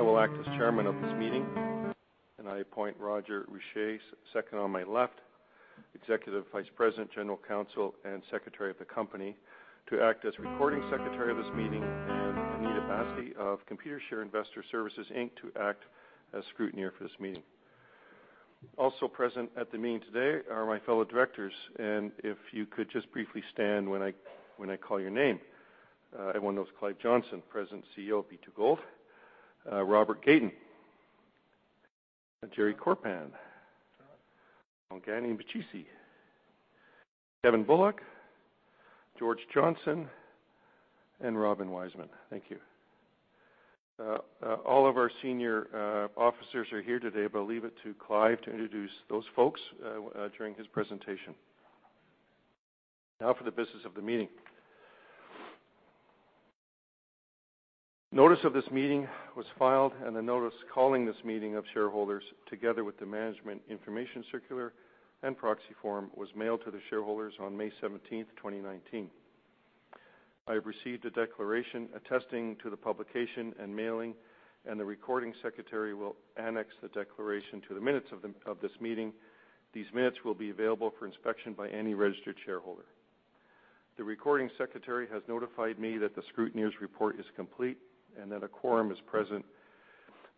I will act as chairman of this meeting, I appoint Roger Richer, second on my left, Executive Vice President, General Counsel, and Secretary of the company, to act as recording secretary of this meeting, Anita Basian of Computershare Investor Services Inc. to act as scrutineer for this meeting. Also present at the meeting today are my fellow directors, if you could just briefly stand when I call your name. Everyone knows Clive Johnson, President and CEO of B2Gold. Robert Gayton. Jerry Korpan. Bongani Mtshisi. Kevin Bullock. George Johnson and Robin Weisman. Thank you. All of our senior officers are here today, I'll leave it to Clive to introduce those folks during his presentation. Now for the business of the meeting. Notice of this meeting was filed, a notice calling this meeting of shareholders, together with the management information circular and proxy form, was mailed to the shareholders on May 17th, 2019. I have received a declaration attesting to the publication and mailing, the recording secretary will annex the declaration to the minutes of this meeting. These minutes will be available for inspection by any registered shareholder. The recording secretary has notified me that the scrutineer's report is complete, that a quorum is present.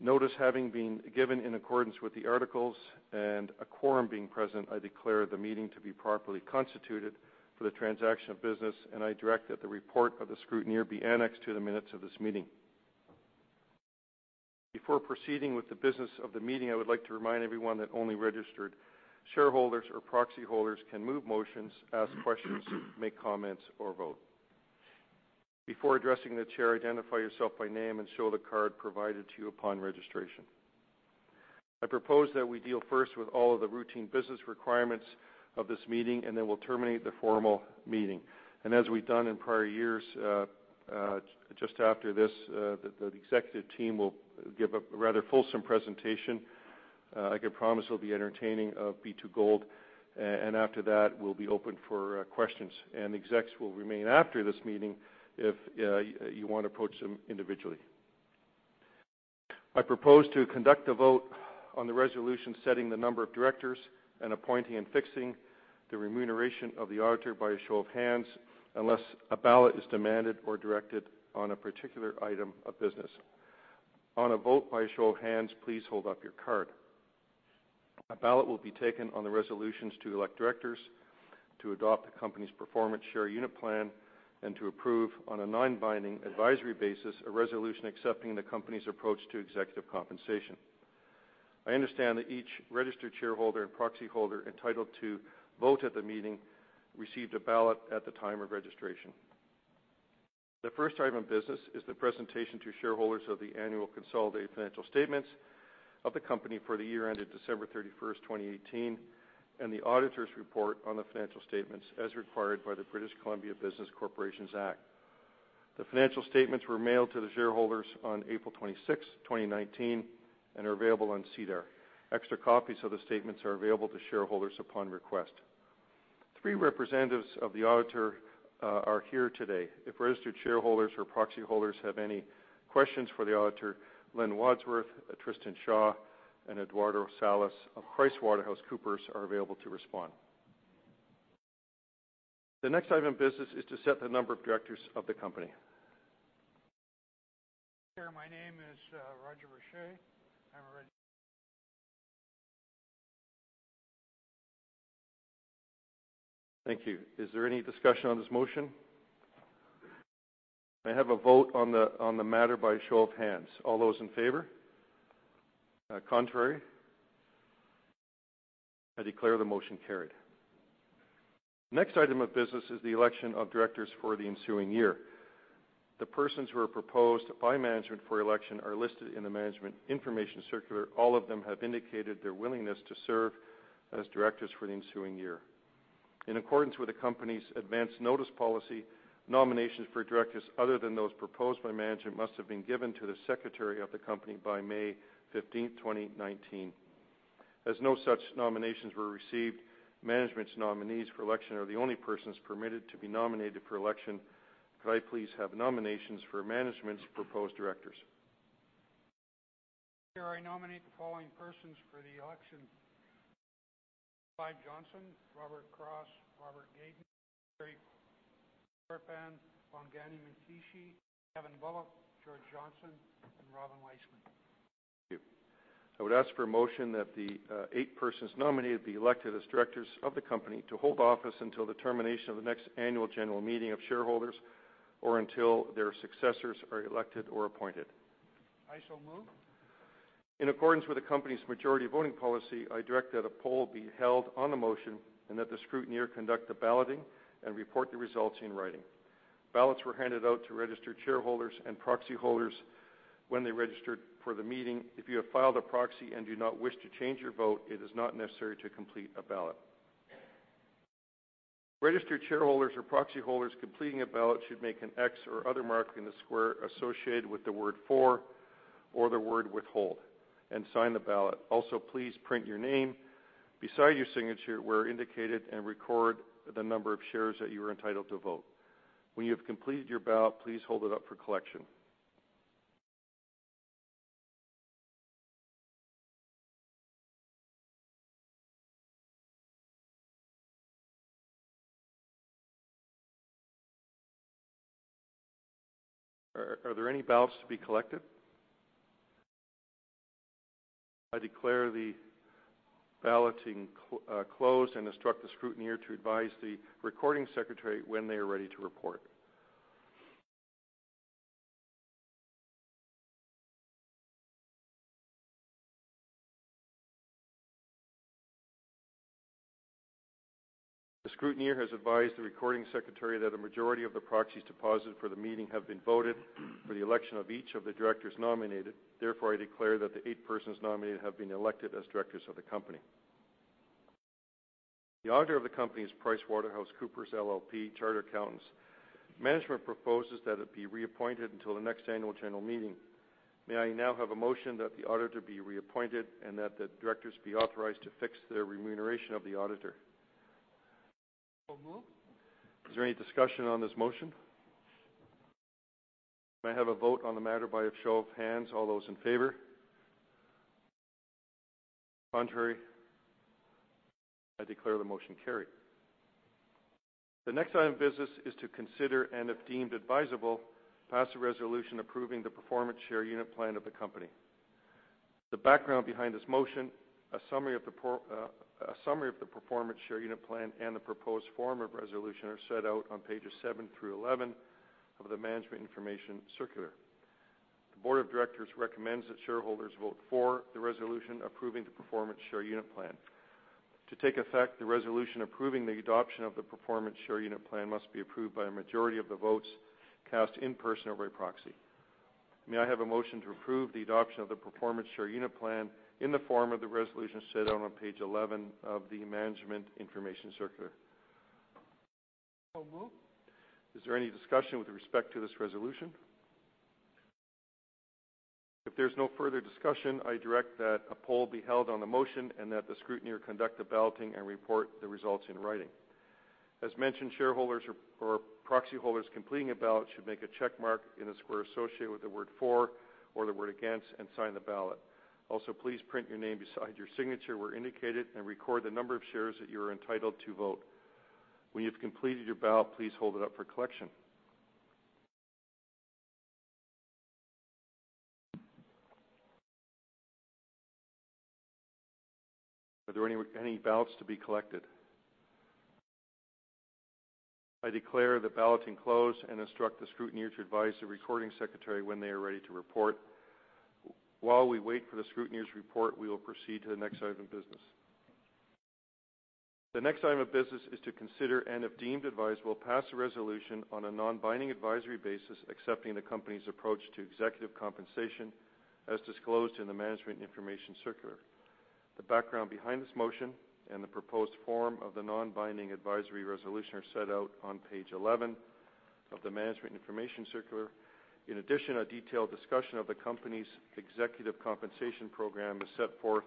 Notice having been given in accordance with the articles, a quorum being present, I declare the meeting to be properly constituted for the transaction of business, I direct that the report of the scrutineer be annexed to the minutes of this meeting. Before proceeding with the business of the meeting, I would like to remind everyone that only registered shareholders or proxy holders can move motions, ask questions, make comments, or vote. Before addressing the chair, identify yourself by name and show the card provided to you upon registration. I propose that we deal first with all of the routine business requirements of this meeting, then we'll terminate the formal meeting. As we've done in prior years, just after this, the executive team will give a rather fulsome presentation. I can promise it'll be entertaining of B2Gold, after that, we'll be open for questions. The execs will remain after this meeting if you want to approach them individually. I propose to conduct a vote on the resolution setting the number of directors, appointing and fixing the remuneration of the auditor by a show of hands, unless a ballot is demanded or directed on a particular item of business. On a vote by a show of hands, please hold up your card. A ballot will be taken on the resolutions to elect directors, to adopt the company's performance share unit plan, to approve, on a non-binding advisory basis, a resolution accepting the company's approach to executive compensation. I understand that each registered shareholder and proxy holder entitled to vote at the meeting received a ballot at the time of registration. The first item of business is the presentation to shareholders of the annual consolidated financial statements of the company for the year ended December 31st, 2018, and the auditors' report on the financial statements as required by the British Columbia Business Corporations Act. The financial statements were mailed to the shareholders on April 26th, 2019, and are available on SEDAR. Extra copies of the statements are available to shareholders upon request. Three representatives of the auditor are here today. If registered shareholders or proxy holders have any questions for the auditor, Lynn Wadsworth, Tristan Shaw, and Eduardo Salas of PricewaterhouseCoopers are available to respond. The next item of business is to set the number of directors of the company. Chair, my name is Roger Richer. I'm a registered- Thank you. Is there any discussion on this motion? May I have a vote on the matter by a show of hands? All those in favor? Contrary? I declare the motion carried. Next item of business is the election of directors for the ensuing year. The persons who are proposed by management for election are listed in the management information circular. All of them have indicated their willingness to serve as directors for the ensuing year. In accordance with the company's advance notice policy, nominations for directors other than those proposed by management must have been given to the secretary of the company by May 15th, 2019. As no such nominations were received, management's nominees for election are the only persons permitted to be nominated for election. Could I please have nominations for management's proposed directors? Chair, I nominate the following persons for the election: Clive Johnson, Robert Cross, Robert Gayton, Jerry Corpan, Bongani Mntshisi, Kevin Bullock, George Johnson, and Robin Weisman. Thank you. I would ask for a motion that the eight persons nominated be elected as directors of the company to hold office until the termination of the next annual general meeting of shareholders or until their successors are elected or appointed. I so move. In accordance with the company's majority voting policy, I direct that a poll be held on the motion and that the scrutineer conduct the balloting and report the results in writing. Ballots were handed out to registered shareholders and proxy holders when they registered for the meeting. If you have filed a proxy and do not wish to change your vote, it is not necessary to complete a ballot. Registered shareholders or proxy holders completing a ballot should make an X or other mark in the square associated with the word "for" or the word "withhold" and sign the ballot. Also, please print your name beside your signature where indicated and record the number of shares that you are entitled to vote. When you have completed your ballot, please hold it up for collection. Are there any ballots to be collected? I declare the balloting closed and instruct the scrutineer to advise the recording secretary when they are ready to report. The scrutineer has advised the recording secretary that a majority of the proxies deposited for the meeting have been voted for the election of each of the directors nominated. I declare that the eight persons nominated have been elected as directors of the company. The auditor of the company is PricewaterhouseCoopers LLP, chartered accountants. Management proposes that it be reappointed until the next annual general meeting. May I now have a motion that the auditor be reappointed and that the directors be authorized to fix their remuneration of the auditor? Moved. Is there any discussion on this motion? May I have a vote on the matter by a show of hands? All those in favor? Contrary? I declare the motion carried. The next item of business is to consider and, if deemed advisable, pass a resolution approving the performance share unit plan of the company. The background behind this motion, a summary of the performance share unit plan, and the proposed form of resolution are set out on pages seven through 11 of the management information circular. The board of directors recommends that shareholders vote for the resolution approving the performance share unit plan. To take effect, the resolution approving the adoption of the performance share unit plan must be approved by a majority of the votes cast in person or by proxy. May I have a motion to approve the adoption of the performance share unit plan in the form of the resolution set out on page 11 of the management information circular? Moved. Is there any discussion with respect to this resolution? If there's no further discussion, I direct that a poll be held on the motion and that the scrutineer conduct the balloting and report the results in writing. As mentioned, shareholders or proxy holders completing a ballot should make a check mark in a square associated with the word "for" or the word "against" and sign the ballot. Also, please print your name beside your signature where indicated and record the number of shares that you are entitled to vote. When you've completed your ballot, please hold it up for collection. Are there any ballots to be collected? I declare the balloting closed and instruct the scrutineer to advise the recording secretary when they are ready to report. While we wait for the scrutineer's report, we will proceed to the next item of business. The next item of business is to consider and, if deemed advisable, pass a resolution on a non-binding advisory basis accepting the company's approach to executive compensation as disclosed in the management information circular. The background behind this motion and the proposed form of the non-binding advisory resolution are set out on page 11 of the management information circular. In addition, a detailed discussion of the company's executive compensation program is set forth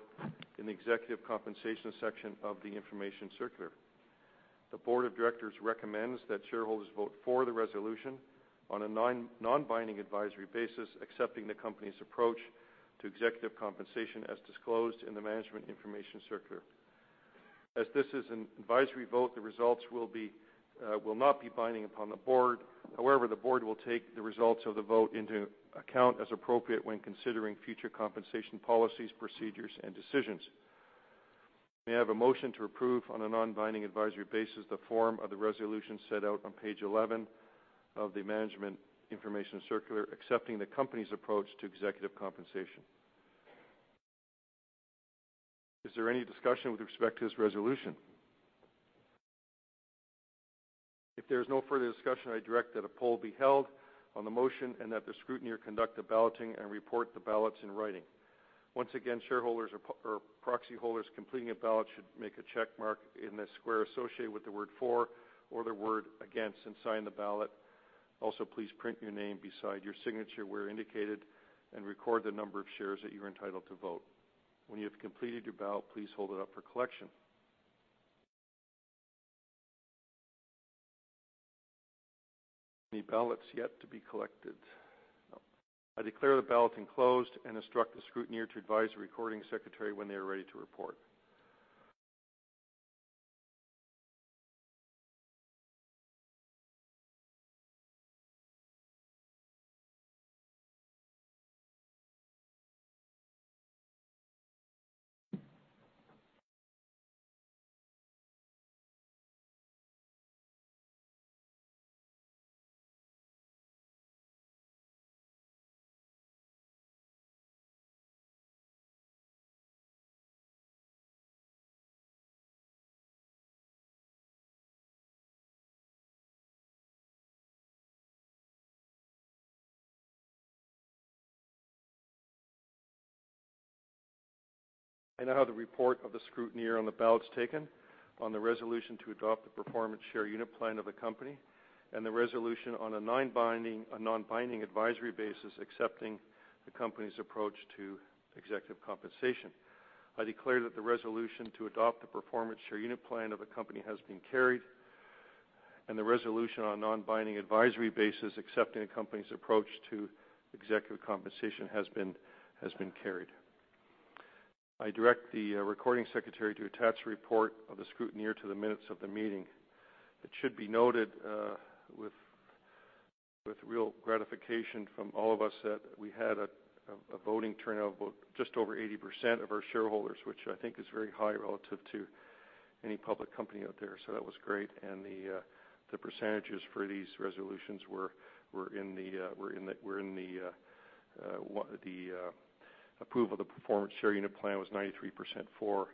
in the executive compensation section of the information circular. The board of directors recommends that shareholders vote for the resolution on a non-binding advisory basis, accepting the company's approach to executive compensation as disclosed in the management information circular. As this is an advisory vote, the results will not be binding upon the board. However, the board will take the results of the vote into account as appropriate when considering future compensation policies, procedures, and decisions. May I have a motion to approve on a non-binding advisory basis the form of the resolution set out on page 11 of the management information circular accepting the company's approach to executive compensation? Is there any discussion with respect to this resolution? If there's no further discussion, I direct that a poll be held on the motion and that the scrutineer conduct the balloting and report the ballots in writing. Once again, shareholders or proxy holders completing a ballot should make a check mark in the square associated with the word "for" or the word "against" and sign the ballot. Also, please print your name beside your signature where indicated and record the number of shares that you're entitled to vote. When you have completed your ballot, please hold it up for collection. Any ballots yet to be collected? No. I declare the balloting closed and instruct the scrutineer to advise the recording secretary when they are ready to report. I now have the report of the scrutineer on the ballots taken on the resolution to adopt the performance share unit plan of the company and the resolution on a non-binding advisory basis accepting the company's approach to executive compensation. I declare that the resolution to adopt the performance share unit plan of the company has been carried, and the resolution on a non-binding advisory basis accepting the company's approach to executive compensation has been carried. I direct the recording secretary to attach a report of the scrutineer to the minutes of the meeting. It should be noted with real gratification from all of us that we had a voting turnout of about just over 80% of our shareholders, which I think is very high relative to any public company out there. That was great. The percentages for these resolutions were in the approval of the performance share unit plan was 93% for,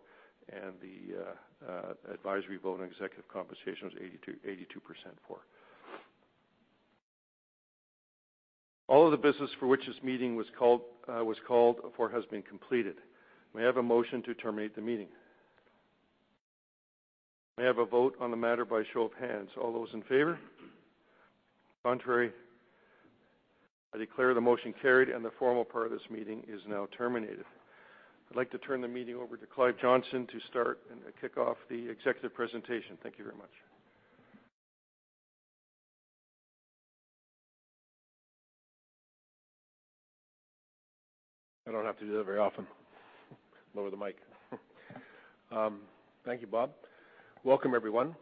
and the advisory vote on executive compensation was 82% for. All of the business for which this meeting was called for has been completed. May I have a motion to terminate the meeting? May I have a vote on the matter by show of hands? All those in favor? Contrary? I declare the motion carried and the formal part of this meeting is now terminated. I'd like to turn the meeting over to Clive Johnson to start and to kick off the executive presentation. Thank you very much. I don't have to do that very often. Lower the mic. Thank you, Bob. Welcome, everyone.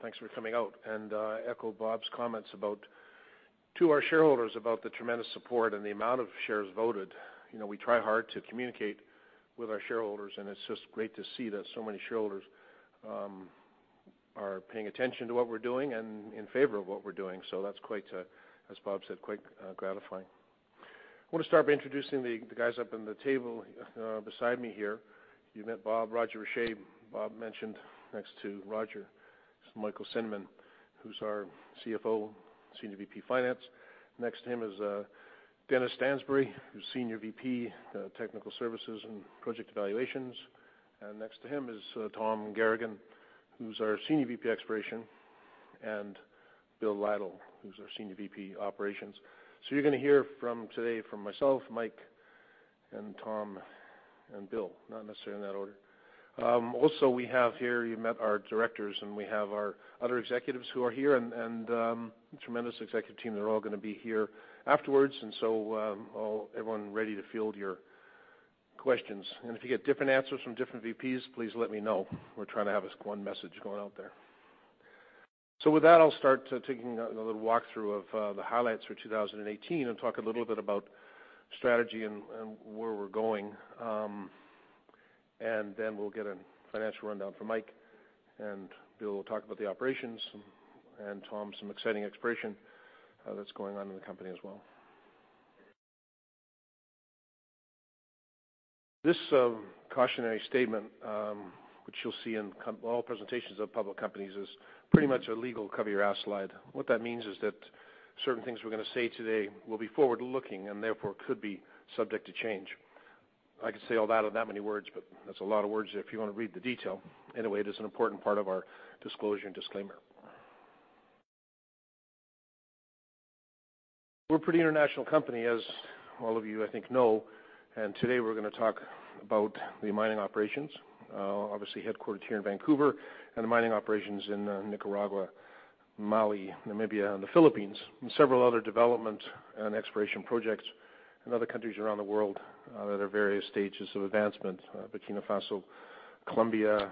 Thanks for coming out. Echo Bob's comments to our shareholders about the tremendous support and the amount of shares voted. We try hard to communicate with our shareholders, and it's just great to see that so many shareholders are paying attention to what we're doing and in favor of what we're doing. That's, as Bob said, quite gratifying. I want to start by introducing the guys up in the table beside me here. You met Bob. Roger Richer, Bob mentioned. Next to Roger is Michael Cinnamond, who's our CFO, Senior VP, Finance. Next to him is Dennis Stansbury, who's Senior VP of Technical Services and Project Evaluations. Next to him is Tom Garagan, who's our Senior VP, Exploration, and Bill Lytle, who's our Senior VP, Operations. You're going to hear today from myself, Mike, and Tom, and Bill, not necessarily in that order. We have here, you met our directors, and we have our other executives who are here, and a tremendous executive team that are all going to be here afterwards and everyone ready to field your questions. If you get different answers from different VPs, please let me know. We're trying to have this one message going out there. With that, I'll start taking a little walkthrough of the highlights for 2018 and talk a little bit about strategy and where we're going. Then we'll get a financial rundown from Mike, and Bill will talk about the operations, and Tom, some exciting exploration that's going on in the company as well. This cautionary statement, which you'll see in all presentations of public companies, is pretty much a legal cover-your-ass slide. What that means is that certain things we're going to say today will be forward-looking and therefore could be subject to change. I could say all that in that many words, but that's a lot of words if you want to read the detail. It is an important part of our disclosure and disclaimer. We're a pretty international company, as all of you, I think, know. Today we're going to talk about the mining operations. Obviously headquartered here in Vancouver, and the mining operations in Nicaragua, Mali, Namibia, and the Philippines, and several other development and exploration projects in other countries around the world that are at various stages of advancement: Burkina Faso, Colombia,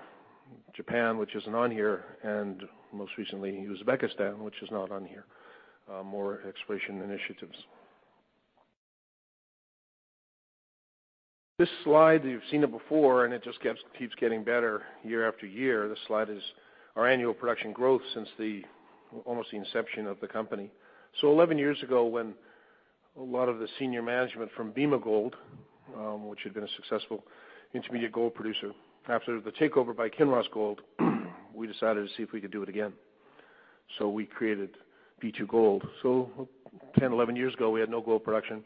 Japan, which isn't on here, and most recently, Uzbekistan, which is not on here. More exploration initiatives. This slide, you've seen it before, and it just keeps getting better year after year. This slide is our annual production growth since almost the inception of the company. 11 years ago when a lot of the senior management from Bema Gold, which had been a successful intermediate gold producer after the takeover by Kinross Gold, we decided to see if we could do it again. We created B2Gold. 10, 11 years ago, we had no gold production.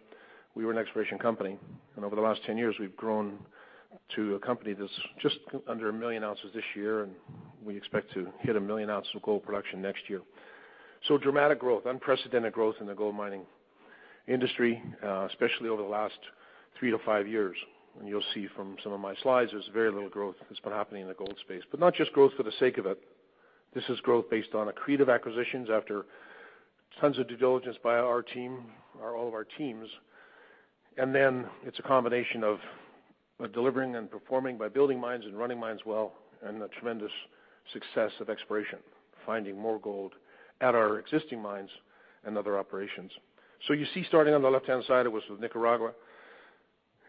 We were an exploration company. Over the last 10 years, we've grown to a company that's just under a million ounces this year, and we expect to hit a million ounces of gold production next year. Dramatic growth, unprecedented growth in the gold mining industry, especially over the last three to five years. You'll see from some of my slides, there's very little growth that's been happening in the gold space. Not just growth for the sake of it. This is growth based on accretive acquisitions after tons of due diligence by our team or all of our teams, and then it's a combination of delivering and performing by building mines and running mines well, and the tremendous success of exploration, finding more gold at our existing mines and other operations. You see starting on the left-hand side, it was with Nicaragua,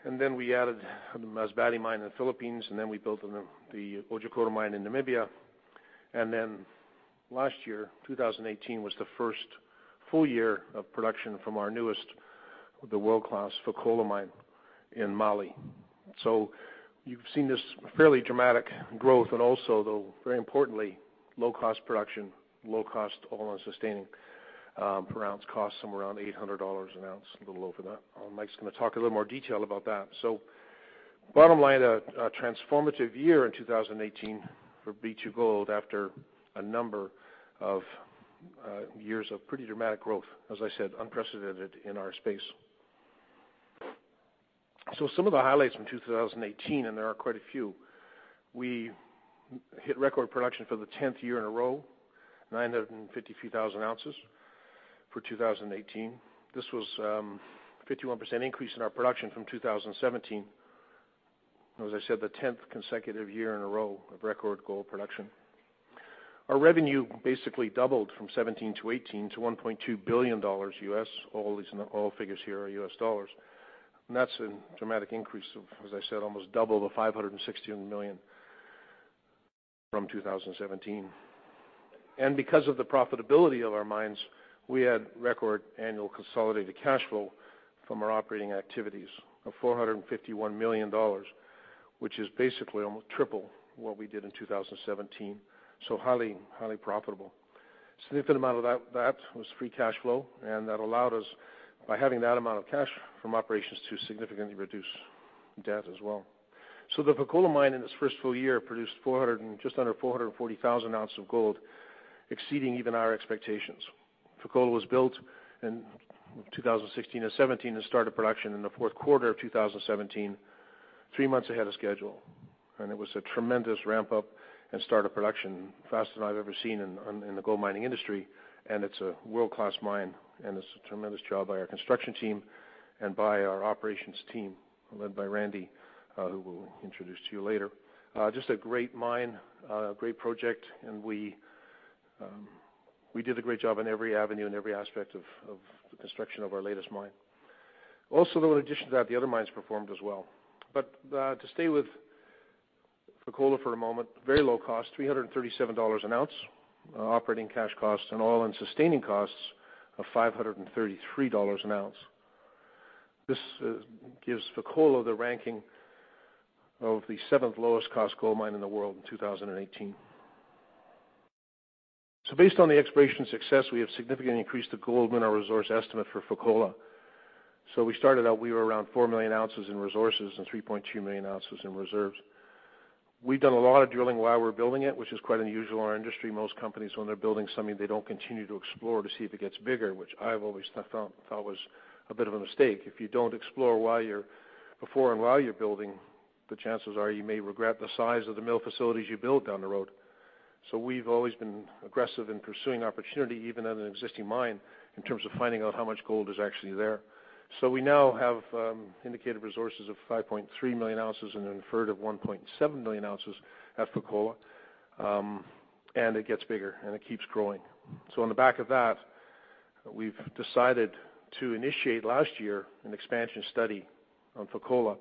and then we added the Masbate Mine in the Philippines, and then we built the Otjikoto Mine in Namibia. Last year, 2018, was the first full year of production from our newest, the world-class Fekola Mine in Mali. You've seen this fairly dramatic growth and also, though very importantly, low-cost production, low cost, all-in sustaining per ounce cost, somewhere around $800 an ounce, a little over that. Mike's going to talk a little more detail about that. Bottom line, a transformative year in 2018 for B2Gold after a number of Years of pretty dramatic growth, as I said, unprecedented in our space. Some of the highlights from 2018, and there are quite a few. We hit record production for the 10th year in a row, 953,000 ounces for 2018. This was a 51% increase in our production from 2017, and as I said, the 10th consecutive year in a row of record gold production. Our revenue basically doubled from 2017 to 2018 to $1.2 billion U.S. All figures here are U.S. dollars, and that's a dramatic increase of, as I said, almost double the $561 million from 2017. Because of the profitability of our mines, we had record annual consolidated cash flow from our operating activities of $451 million, which is basically almost triple what we did in 2017. Highly profitable. A significant amount of that was free cash flow, and that allowed us, by having that amount of cash from operations, to significantly reduce debt as well. The Fekola Mine in its first full year produced just under 440,000 ounces of gold, exceeding even our expectations. Fekola was built in 2016 and 2017 and started production in the fourth quarter of 2017, three months ahead of schedule. It was a tremendous ramp-up and start of production, faster than I've ever seen in the gold mining industry. It's a world-class mine, and it's a tremendous job by our construction team and by our operations team led by Randy, who we'll introduce to you later. Just a great mine, a great project, and we did a great job on every avenue and every aspect of the construction of our latest mine. Also, though, in addition to that, the other mines performed as well. To stay with Fekola for a moment, very low cost, $337 an ounce operating cash costs, and all-in sustaining costs of $533 an ounce. This gives Fekola the ranking of the seventh lowest cost gold mine in the world in 2018. Based on the exploration success, we have significantly increased the gold mineral resource estimate for Fekola. We started out, we were around 4 million ounces in resources and 3.2 million ounces in reserves. We've done a lot of drilling while we're building it, which is quite unusual in our industry. Most companies, when they're building something, they don't continue to explore to see if it gets bigger, which I've always thought was a bit of a mistake. If you don't explore before and while you're building, the chances are you may regret the size of the mill facilities you build down the road. We've always been aggressive in pursuing opportunity, even at an existing mine, in terms of finding out how much gold is actually there. We now have indicated resources of 5.3 million ounces and an inferred of 1.7 million ounces at Fekola. It gets bigger, and it keeps growing. On the back of that, we've decided to initiate last year an expansion study on Fekola.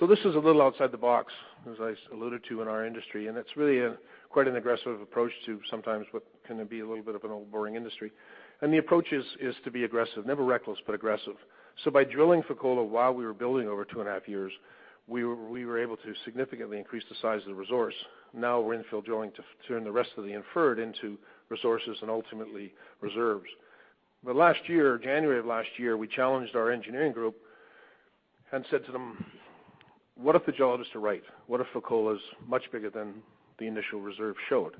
This is a little outside the box, as I alluded to in our industry, and it's really quite an aggressive approach to sometimes what can be a little bit of an old, boring industry. The approach is to be aggressive, never reckless, but aggressive. By drilling Fekola while we were building over two and a half years, we were able to significantly increase the size of the resource. Now we're infill drilling to turn the rest of the inferred into resources and ultimately reserves. Last year, January of last year, we challenged our engineering group and said to them, "What if the geologists are right? What if Fekola's much bigger than the initial reserve showed?"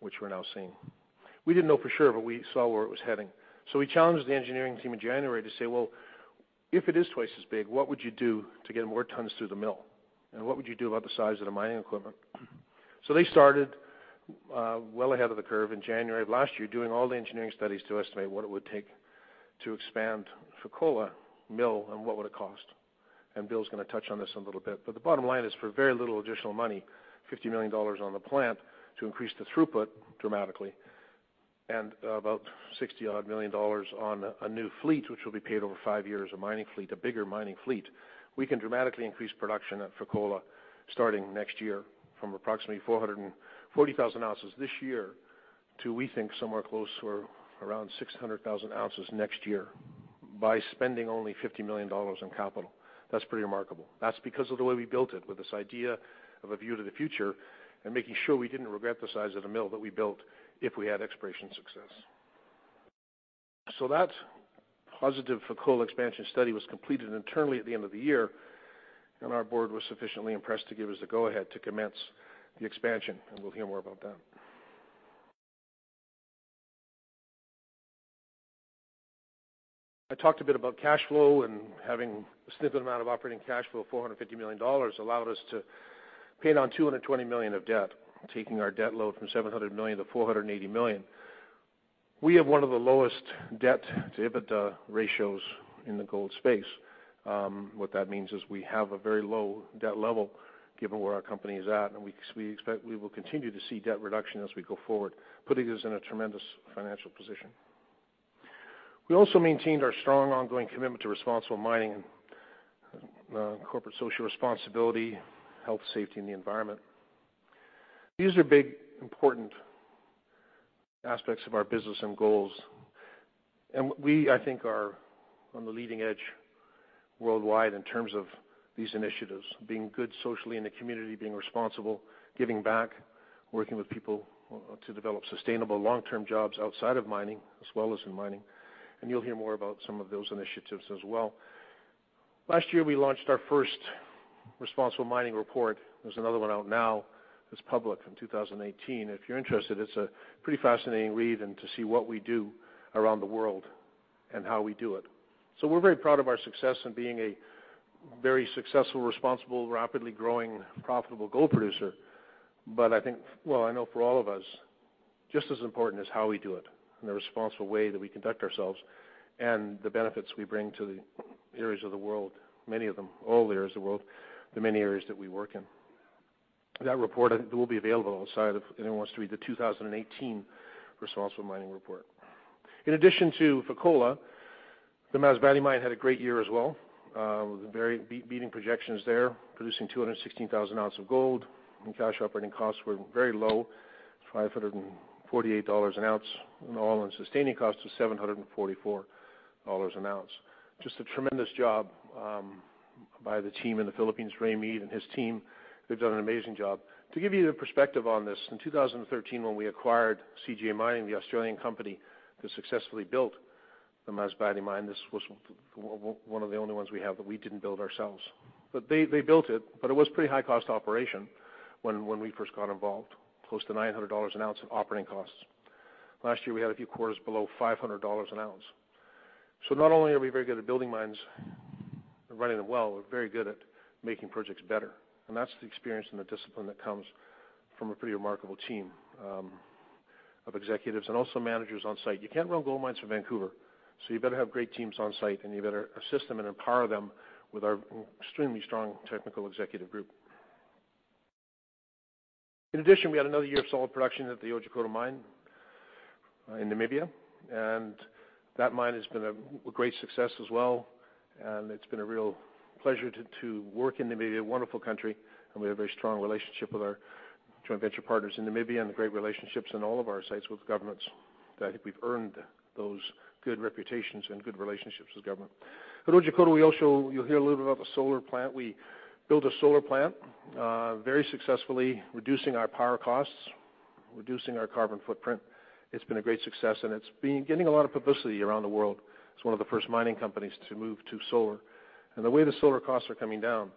Which we're now seeing. We didn't know for sure, but we saw where it was heading. We challenged the engineering team in January to say, "Well, if it is twice as big, what would you do to get more tons through the mill? What would you do about the size of the mining equipment?" They started well ahead of the curve in January of last year, doing all the engineering studies to estimate what it would take to expand Fekola mill and what would it cost. Bill's going to touch on this a little bit, but the bottom line is for very little additional money, $50 million on the plant to increase the throughput dramatically and about $60 odd million on a new fleet, which will be paid over five years, a mining fleet, a bigger mining fleet. We can dramatically increase production at Fekola starting next year from approximately 440,000 ounces this year to, we think, somewhere close to around 600,000 ounces next year by spending only $50 million in capital. That's pretty remarkable. That's because of the way we built it with this idea of a view to the future and making sure we didn't regret the size of the mill that we built if we had exploration success. That positive Fekola expansion study was completed internally at the end of the year, and our board was sufficiently impressed to give us the go-ahead to commence the expansion, and we'll hear more about that. I talked a bit about cash flow and having a significant amount of operating cash flow, $450 million, allowed us to pay down $220 million of debt, taking our debt load from $700 million to $480 million. We have one of the lowest debt-to-EBITDA ratios in the gold space. What that means is we have a very low debt level given where our company is at, and we expect we will continue to see debt reduction as we go forward, putting us in a tremendous financial position. We also maintained our strong ongoing commitment to responsible mining and corporate social responsibility, health, safety, and the environment. These are big, important aspects of our business and goals, and we, I think, are on the leading edge worldwide in terms of these initiatives, being good socially in the community, being responsible, giving back, working with people to develop sustainable long-term jobs outside of mining as well as in mining. You'll hear more about some of those initiatives as well. Last year, we launched our first Responsible Mining Report. There's another one out now that's public from 2018. If you're interested, it's a pretty fascinating read and to see what we do around the world and how we do it. We're very proud of our success in being a very successful, responsible, rapidly growing, profitable gold producer. I think, well, I know for all of us, just as important is how we do it and the responsible way that we conduct ourselves and the benefits we bring to the areas of the world, many of them, all areas of the world, the many areas that we work in. That report will be available outside if anyone wants to read the 2018 Responsible Mining Report. In addition to Fekola, the Masbate Mine had a great year as well, beating projections there, producing 216,000 ounces of gold, and cash operating costs were very low, $548 an ounce. All-in sustaining costs was $744 an ounce. Just a tremendous job by the team in the Philippines, Randy Reichert and his team. They have done an amazing job. To give you the perspective on this, in 2013, when we acquired CGA Mining, the Australian company that successfully built the Masbate Mine, this was one of the only ones we have that we did not build ourselves. They built it, but it was a pretty high-cost operation when we first got involved, close to $900 an ounce of operating costs. Last year, we had a few quarters below $500 an ounce. Not only are we very good at building mines and running them well, we are very good at making projects better. That is the experience and the discipline that comes from a pretty remarkable team of executives and also managers on site. You cannot run gold mines from Vancouver, so you better have great teams on site, and you better assist them and empower them with our extremely strong technical executive group. In addition, we had another year of solid production at the Otjikoto Mine in Namibia, and that mine has been a great success as well, and it has been a real pleasure to work in Namibia, wonderful country, and we have a very strong relationship with our joint venture partners in Namibia and great relationships in all of our sites with governments that we have earned those good reputations and good relationships with government. At Otjikoto, you will hear a little bit about the solar plant. We built a solar plant, very successfully reducing our power costs, reducing our carbon footprint. It has been a great success, and it has been getting a lot of publicity around the world as one of the first mining companies to move to solar. The way the solar costs are coming down,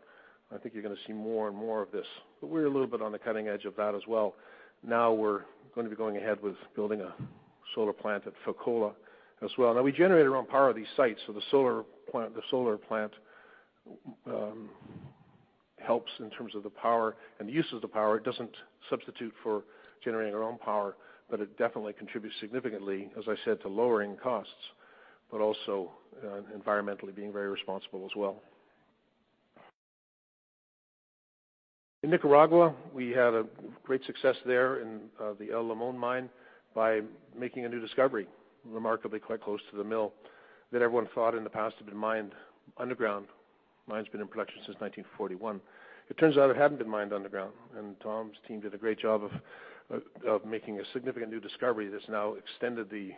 I think you are going to see more and more of this. But we are a little bit on the cutting edge of that as well. We are going to be going ahead with building a solar plant at Fekola as well. We generate our own power at these sites, so the solar plant helps in terms of the power and the use of the power. It does not substitute for generating our own power, but it definitely contributes significantly, as I said, to lowering costs, but also environmentally being very responsible as well. In Nicaragua, we had a great success there in the El Limon mine by making a new discovery, remarkably quite close to the mill that everyone thought in the past had been mined underground. The mine has been in production since 1941. It turns out it had not been mined underground, and Tom's team did a great job of making a significant new discovery that has now extended the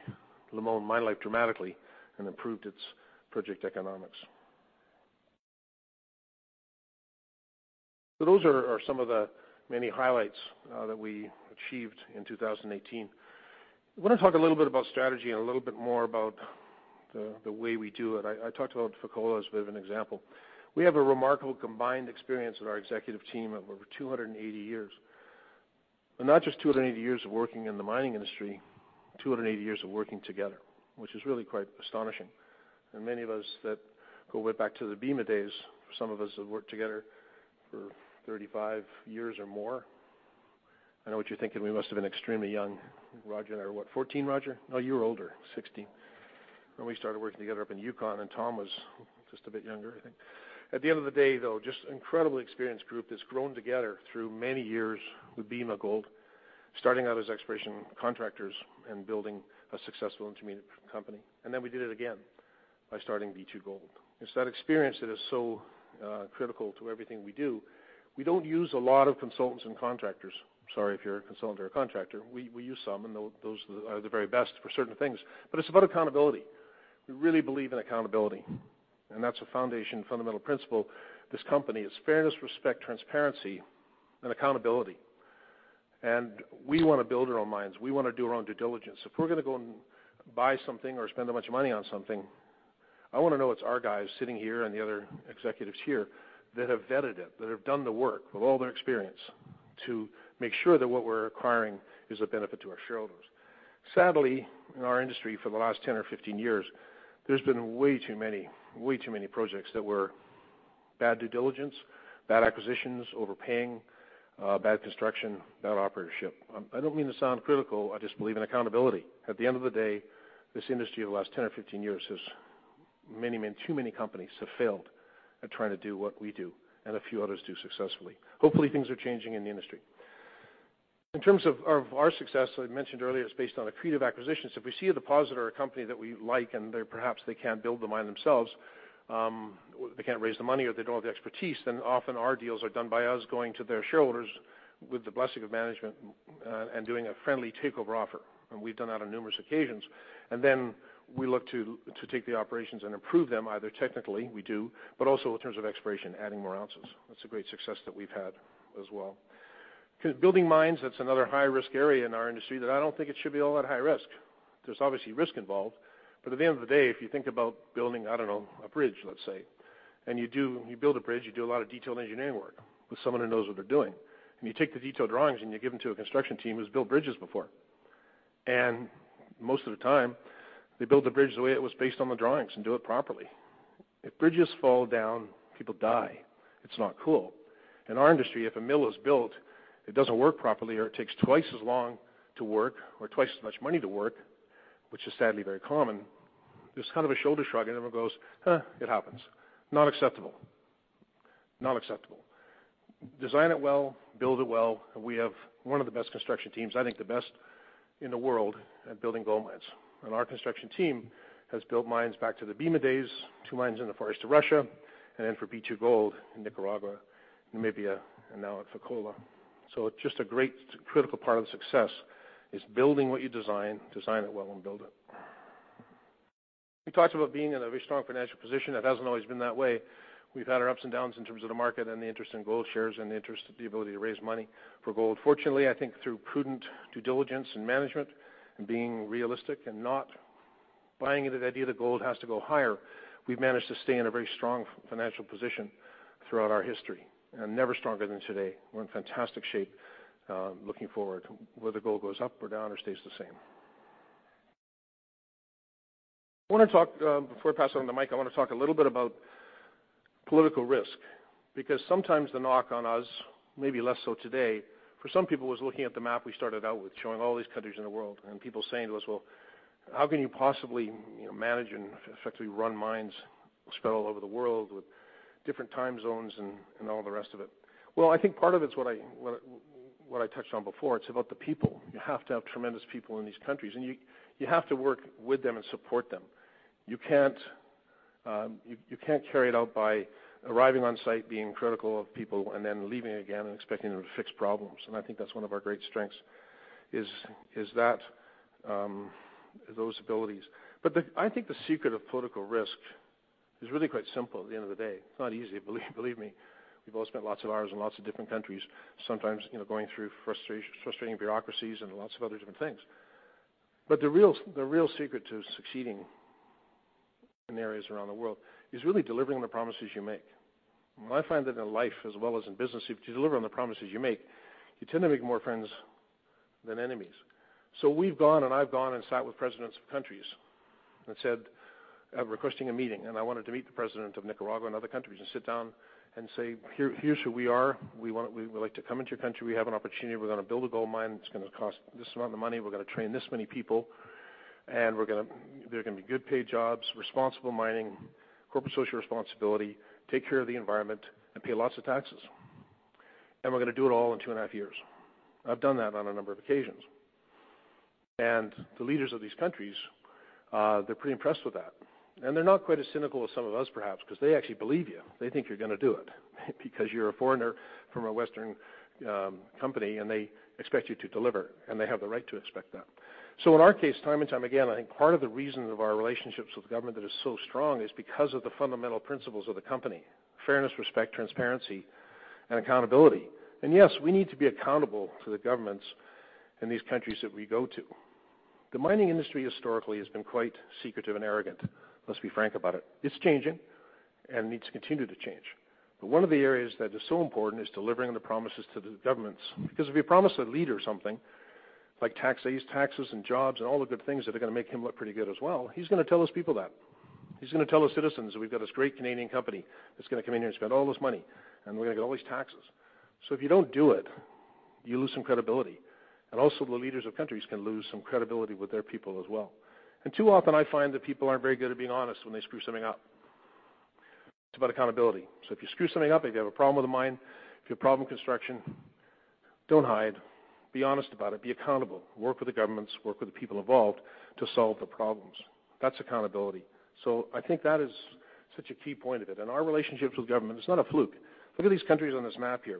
Limon mine life dramatically and improved its project economics. Those are some of the many highlights that we achieved in 2018. I want to talk a little bit about strategy and a little bit more about the way we do it. I talked about Fekola as a bit of an example. We have a remarkable combined experience with our executive team of over 280 years, not just 280 years of working in the mining industry, 280 years of working together, which is really quite astonishing. Many of us that go way back to the Bema days, some of us have worked together for 35 years or more. I know what you're thinking. We must have been extremely young. Roger there, what, 14, Roger? No, you were older, 16, when we started working together up in Yukon, and Tom was just a bit younger, I think. At the end of the day, though, just incredibly experienced group that's grown together through many years with Bema Gold, starting out as exploration contractors and building a successful intermediate company. Then we did it again by starting B2Gold. It's that experience that is so critical to everything we do. We don't use a lot of consultants and contractors. Sorry if you're a consultant or a contractor. We use some, those are the very best for certain things. It's about accountability. We really believe in accountability, that's a foundation fundamental principle. This company is fairness, respect, transparency, and accountability. We want to build our own mines. We want to do our own due diligence. If we're going to go and buy something or spend a bunch of money on something, I want to know it's our guys sitting here and the other executives here that have vetted it, that have done the work with all their experience to make sure that what we're acquiring is a benefit to our shareholders. Sadly, in our industry for the last 10 or 15 years, there's been way too many projects that were bad due diligence, bad acquisitions, overpaying, bad construction, bad operatorship. I don't mean to sound critical. I just believe in accountability. At the end of the day, this industry over the last 10 or 15 years has too many companies have failed at trying to do what we do and a few others do successfully. Hopefully, things are changing in the industry. In terms of our success, I mentioned earlier, it's based on accretive acquisitions. If we see a deposit or a company that we like perhaps they can't build the mine themselves, they can't raise the money they don't have the expertise, often our deals are done by us going to their shareholders with the blessing of management and doing a friendly takeover offer. We've done that on numerous occasions. We look to take the operations and improve them, either technically we do, also in terms of exploration, adding more ounces. That's a great success that we've had as well. Because building mines, that's another high-risk area in our industry that I don't think it should be all that high risk. There's obviously risk involved, at the end of the day, if you think about building, I don't know, a bridge, let's say, you build a bridge, you do a lot of detailed engineering work with someone who knows what they're doing. You take the detailed drawings and you give them to a construction team who's built bridges before. Most of the time, they build the bridge the way it was based on the drawings and do it properly. If bridges fall down, people die. It's not cool. In our industry, if a mill is built, it doesn't work properly or it takes twice as long to work or twice as much money to work, which is sadly very common, there's kind of a shoulder shrug and everyone goes, "Huh, it happens." Not acceptable. Design it well, build it well. We have one of the best construction teams, I think the best in the world at building gold mines. Our construction team has built mines back to the Bema days, two mines in the forest of Russia, and then for B2Gold in Nicaragua, Namibia, and now at Fekola. Just a great critical part of the success is building what you design it well, and build it. We talked about being in a very strong financial position. That hasn't always been that way. We've had our ups and downs in terms of the market and the interest in gold shares and the interest, the ability to raise money for gold. Fortunately, I think through prudent due diligence and management and being realistic and not buying into the idea that gold has to go higher, we've managed to stay in a very strong financial position throughout our history and never stronger than today. We're in fantastic shape, looking forward to whether gold goes up or down or stays the same. I want to talk, before I pass on the mic, I want to talk a little bit about political risk, because sometimes the knock on us, maybe less so today, for some people was looking at the map we started out with showing all these countries in the world and people saying to us, "Well, how can you possibly manage and effectively run mines spread all over the world with different time zones and all the rest of it?" I think part of it's what I touched on before. It's about the people. You have to have tremendous people in these countries, and you have to work with them and support them. You can't carry it out by arriving on site, being critical of people, and then leaving again and expecting them to fix problems. I think that's one of our great strengths, is those abilities. I think the secret of political risk is really quite simple at the end of the day. It's not easy, believe me. We've all spent lots of hours in lots of different countries, sometimes going through frustrating bureaucracies and lots of other different things. The real secret to succeeding in areas around the world is really delivering on the promises you make. I find that in life as well as in business, if you deliver on the promises you make, you tend to make more friends than enemies. We've gone and I've gone and sat with presidents of countries and said, "I'm requesting a meeting." I wanted to meet the president of Nicaragua and other countries and sit down and say, "Here's who we are. We would like to come into your country. We have an opportunity. We're going to build a gold mine that's going to cost this amount of money. We're going to train this many people. There are going to be good paid jobs, responsible mining, corporate social responsibility, take care of the environment, and pay lots of taxes. We're going to do it all in two and a half years. I've done that on a number of occasions. The leaders of these countries, they're pretty impressed with that. They're not quite as cynical as some of us perhaps, because they actually believe you. They think you're going to do it because you're a foreigner from a Western company and they expect you to deliver, and they have the right to expect that. In our case, time and time again, I think part of the reason of our relationships with government that is so strong is because of the fundamental principles of the company, fairness, respect, transparency, and accountability. Yes, we need to be accountable to the governments in these countries that we go to. The mining industry historically has been quite secretive and arrogant. Let's be frank about it. It's changing and needs to continue to change. One of the areas that is so important is delivering on the promises to the governments. If you promise a leader something like taxes and jobs and all the good things that are going to make him look pretty good as well, he's going to tell his people that. He's going to tell his citizens that we've got this great Canadian company that's going to come in here and spend all this money, and we're going to get all these taxes. If you don't do it, you lose some credibility. Also the leaders of countries can lose some credibility with their people as well. Too often I find that people aren't very good at being honest when they screw something up. It's about accountability. If you screw something up, if you have a problem with a mine, if you have a problem with construction, don't hide. Be honest about it. Be accountable. Work with the governments, work with the people involved to solve the problems. That's accountability. I think that is such a key point of it. Our relationships with government, it's not a fluke. Look at these countries on this map here.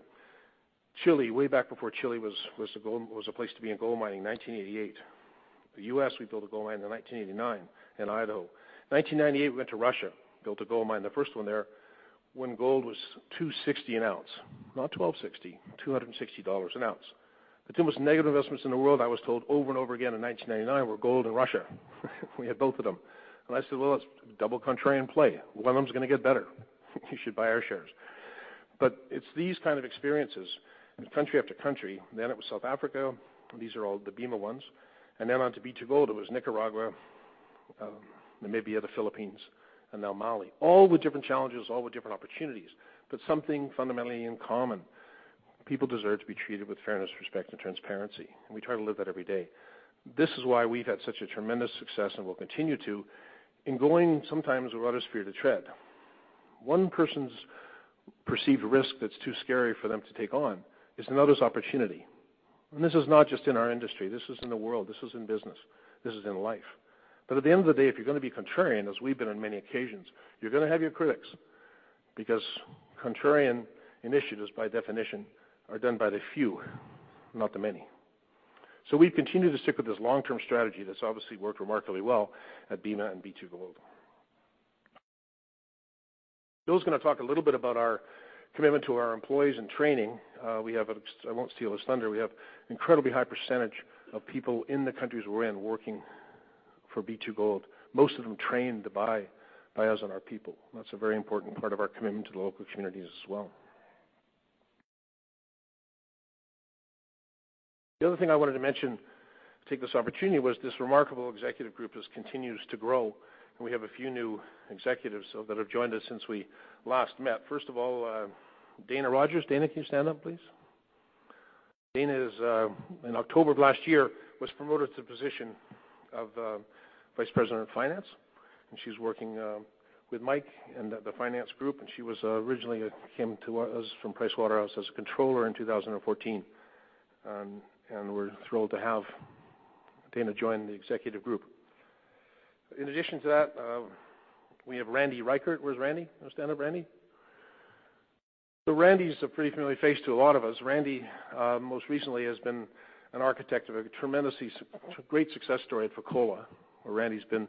Chile, way back before Chile was a place to be in gold mining, 1988. The U.S., we built a gold mine in 1989 in Idaho. 1998, we went to Russia, built a gold mine, the first one there when gold was $260 an ounce, not $1,260, $260 an ounce. The two most negative investments in the world I was told over and over again in 1999 were gold and Russia. We had both of them. I said, "Well, that's double contrarian play. One of them's going to get better. You should buy our shares." It's these kind of experiences in country after country. It was South Africa. These are all the Bema ones. On to B2Gold, it was Nicaragua, Namibia, the Philippines, and now Mali. All with different challenges, all with different opportunities. Something fundamentally in common, people deserve to be treated with fairness, respect, and transparency. We try to live that every day. This is why we've had such a tremendous success and will continue to in going sometimes where others fear to tread. One person's perceived risk that's too scary for them to take on is another's opportunity. This is not just in our industry, this is in the world, this is in business, this is in life. At the end of the day, if you're going to be contrarian, as we've been on many occasions, you're going to have your critics because contrarian initiatives by definition are done by the few, not the many. We continue to stick with this long-term strategy that's obviously worked remarkably well at Bema and B2Gold. Bill's going to talk a little bit about our commitment to our employees and training. I won't steal his thunder. We have an incredibly high percentage of people in the countries we're in working for B2Gold, most of them trained by us and our people. That's a very important part of our commitment to the local communities as well. Other thing I wanted to mention, take this opportunity, was this remarkable executive group continues to grow, and we have a few new executives that have joined us since we last met. First of all, Dana Rogers. Dana, can you stand up, please? Dana, in October of last year, was promoted to the position of Vice President of Finance, and she's working with Mike and the finance group, and she originally came to us from Pricewaterhouse as a controller in 2014. We're thrilled to have Dana join the executive group. In addition to that, we have Randy Reichert. Where's Randy? Want to stand up, Randy? Randy's a pretty familiar face to a lot of us. Randy, most recently, has been an architect of a tremendously great success story at Fekola, where Randy's been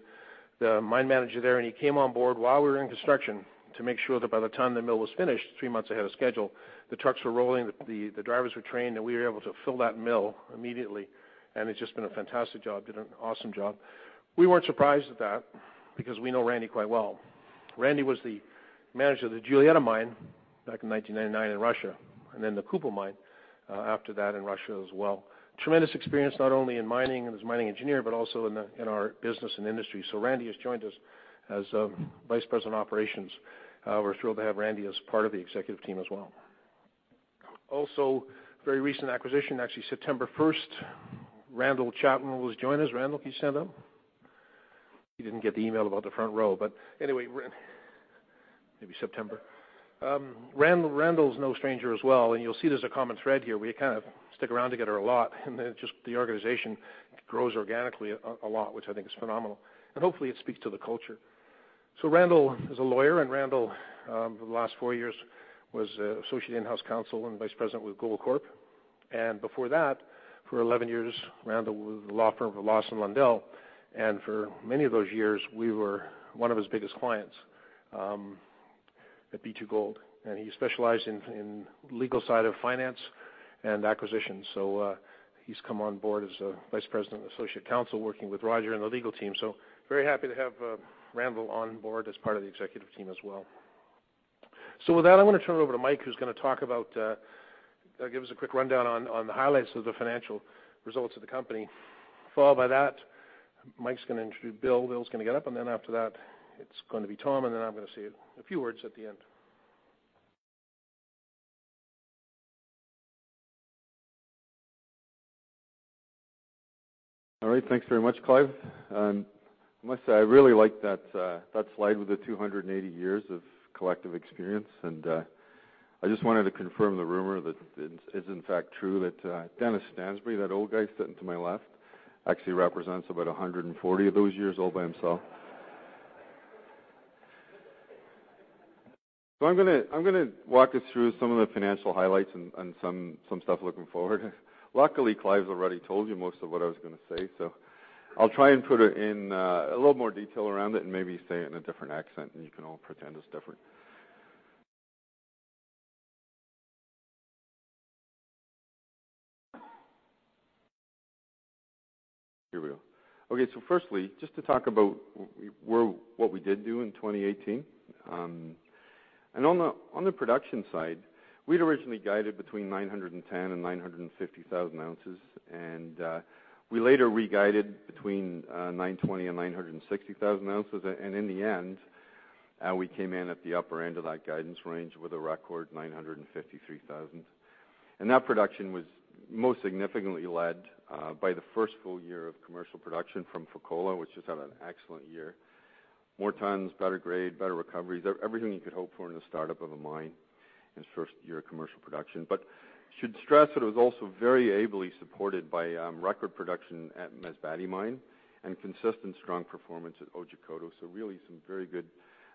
the mine manager there, and he came on board while we were in construction to make sure that by the time the mill was finished, three months ahead of schedule, the trucks were rolling, the drivers were trained, and we were able to fill that mill immediately, and it's just been a fantastic job. Did an awesome job. We weren't surprised at that because we know Randy quite well. Randy was the manager of the Julietta mine back in 1999 in Russia, and then the Kupol mine after that in Russia as well. Tremendous experience, not only in mining as a mining engineer, but also in our business and industry. Randy has joined us as Vice President of Operations. We're thrilled to have Randy as part of the executive team as well. Very recent acquisition, actually September 1st, Randall Chatwin will join us. Randall, can you stand up? He didn't get the email about the front row, but anyway, maybe September. Randall's no stranger as well, and you'll see there's a common thread here. We kind of stick around together a lot, and then the organization grows organically a lot, which I think is phenomenal, and hopefully it speaks to the culture. Randall is a lawyer, and Randall, for the last four years, was associate in-house counsel and Vice President with Global Corp. Before that, for 11 years, Randall was with the law firm of Lawson Lundell, and for many of those years, we were one of his biggest clients at B2Gold. He specialized in legal side of finance and acquisitions, he's come on board as Vice President, Associate Counsel, working with Roger and the legal team. Very happy to have Randall on board as part of the executive team as well. With that, I want to turn it over to Mike, who's going to give us a quick rundown on the highlights of the financial results of the company. Followed by that, Mike's going to introduce Bill. Bill's going to get up, then after that it's going to be Tom, then I'm going to say a few words at the end. All right, thanks very much, Clive. I must say, I really like that slide with the 280 years of collective experience, and I just wanted to confirm the rumor that it is, in fact, true that Dennis Stansbury, that old guy sitting to my left, actually represents about 140 of those years all by himself. I'm going to walk us through some of the financial highlights and some stuff looking forward. Luckily, Clive's already told you most of what I was going to say, I'll try and put a little more detail around it and maybe say it in a different accent, and you can all pretend it's different. Here we go. Firstly, just to talk about what we did do in 2018. On the production side, we'd originally guided between 910,000 and 950,000 ounces, and we later re-guided between 920,000 and 960,000 ounces. In the end, we came in at the upper end of that guidance range with a record 953,000. That production was most significantly led by the first full year of commercial production from Fekola, which just had an excellent year. More tons, better grade, better recoveries, everything you could hope for in the start-up of a mine in its first year of commercial production. But should stress that it was also very ably supported by record production at Masbate mine and consistent strong performance at Otjikoto. Really some very good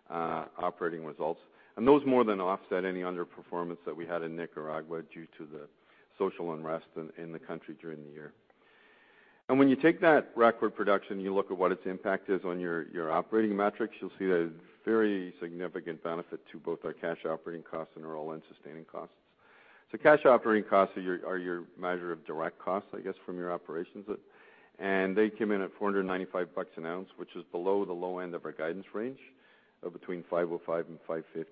operating results, and those more than offset any underperformance that we had in Nicaragua due to the social unrest in the country during the year. When you take that record production and you look at what its impact is on your operating metrics, you'll see that it's a very significant benefit to both our cash operating costs and our all-in sustaining costs. Cash operating costs are your measure of direct costs, I guess, from your operations, and they came in at $495 an ounce, which is below the low end of our guidance range of between $505 and $550.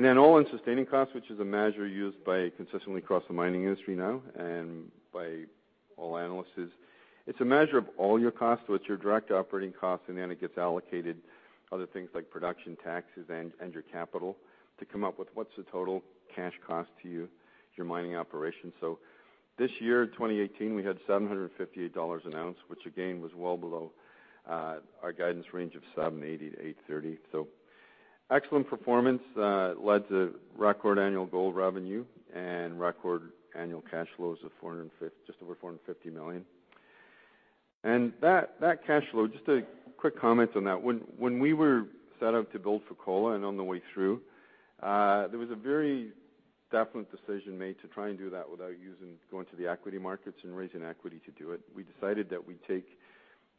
Then all-in sustaining costs, which is a measure used consistently across the mining industry now and by all analysts, it's a measure of all your costs with your direct operating costs, then it gets allocated other things like production taxes and your capital to come up with what's the total cash cost to you, your mining operation. This year, in 2018, we had $758 an ounce, which again, was well below our guidance range of $780-$830. Excellent performance led to record annual gold revenue and record annual cash flows of just over $450 million. That cash flow, just a quick comment on that. When we set out to build Fekola and on the way through, there was a very definite decision made to try and do that without going to the equity markets and raising equity to do it. We decided that we'd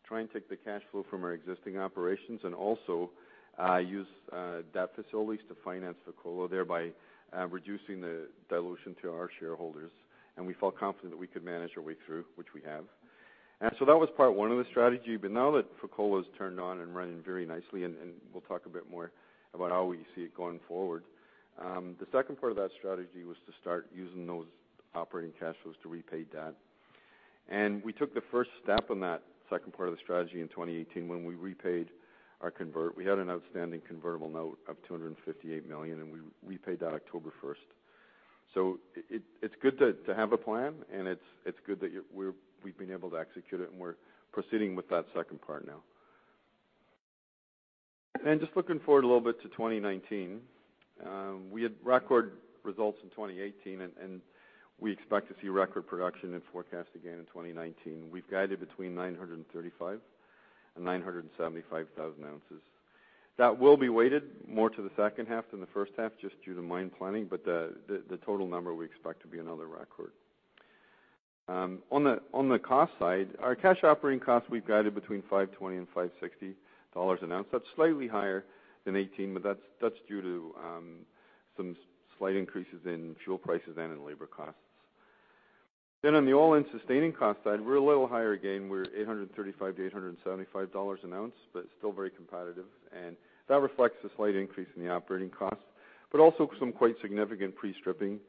try and take the cash flow from our existing operations, and also use debt facilities to finance Fekola, thereby reducing the dilution to our shareholders. We felt confident that we could manage our way through, which we have. That was part one of the strategy. Now that Fekola is turned on and running very nicely, we'll talk a bit more about how we see it going forward. The second part of that strategy was to start using those operating cash flows to repay debt. We took the first step on that second part of the strategy in 2018, when we repaid our convert. We had an outstanding convertible note of $258 million, we repaid that October 1st. It's good to have a plan, it's good that we've been able to execute it, we're proceeding with that second part now. Just looking forward a little bit to 2019. We had record results in 2018, we expect to see record production and forecast again in 2019. We've guided between 935,000 and 975,000 ounces. That will be weighted more to the second half than the first half, just due to mine planning, but the total number we expect to be another record. On the cost side, our cash operating costs we've guided between $520-$560 an ounce. That's slightly higher than 2018, but that's due to some slight increases in fuel prices and in labor costs. On the all-in sustaining cost side, we're a little higher again. We're $835-$875 an ounce, but still very competitive. That reflects a slight increase in the operating cost, but also some quite significant pre-stripping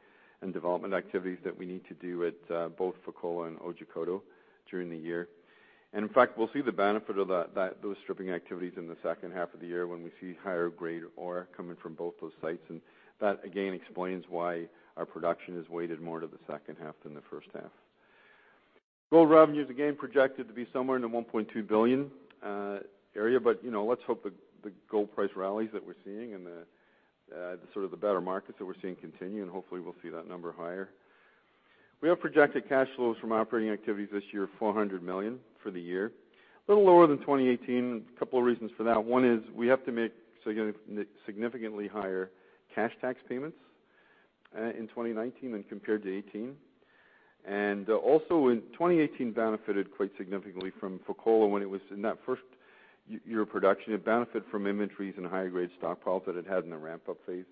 and development activities that we need to do at both Fekola and Otjikoto during the year. In fact, we'll see the benefit of those stripping activities in the second half of the year when we see higher grade ore coming from both those sites, that again explains why our production is weighted more to the second half than the first half. Gold revenues, again, projected to be somewhere in the $1.2 billion area. Let's hope the gold price rallies that we're seeing and the better markets that we're seeing continue, hopefully we'll see that number higher. We have projected cash flows from operating activities this year, $400 million for the year. A little lower than 2018. A couple of reasons for that. One is we have to make significantly higher cash tax payments in 2019 when compared to 2018. Also in 2018 benefited quite significantly from Fekola when it was in that first year of production. It benefit from inventories and higher grade stockpiles that it had in the ramp-up phase.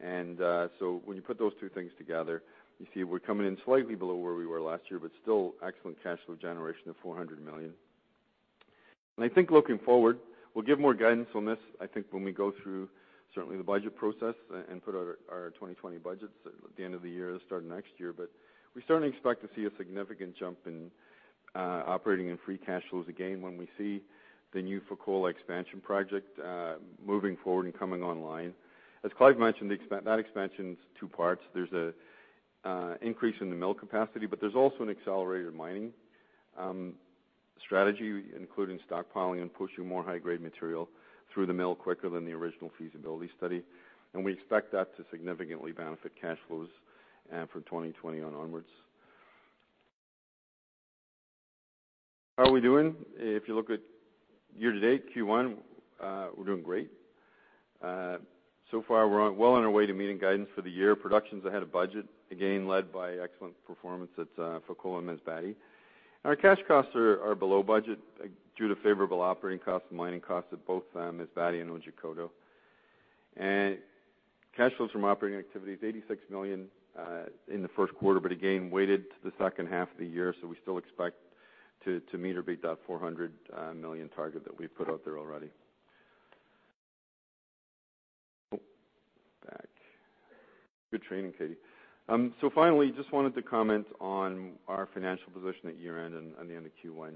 When you put those two things together, you see we're coming in slightly below where we were last year, but still excellent cash flow generation of $400 million. I think looking forward, we'll give more guidance on this, I think when we go through certainly the budget process and put out our 2020 budgets at the end of the year, the start of next year. We certainly expect to see a significant jump in operating and free cash flows again when we see the new Fekola expansion project moving forward and coming online. As Clive mentioned, that expansion's two parts. There's an increase in the mill capacity, but there's also an accelerated mining strategy, including stockpiling and pushing more high-grade material through the mill quicker than the original feasibility study. We expect that to significantly benefit cash flows from 2020 and onwards. How are we doing? If you look at year to date, Q1, we're doing great. So far, we're well on our way to meeting guidance for the year. Production's ahead of budget, again, led by excellent performance at Fekola and Masbate. Our cash costs are below budget due to favorable operating costs and mining costs at both Masbate and Otjikoto. Cash flows from operating activity is $86 million in the first quarter, but again, weighted to the second half of the year, so we still expect to meet or beat that $400 million target that we've put out there already. Back. Good training, Katie. Finally, just wanted to comment on our financial position at year-end and the end of Q1.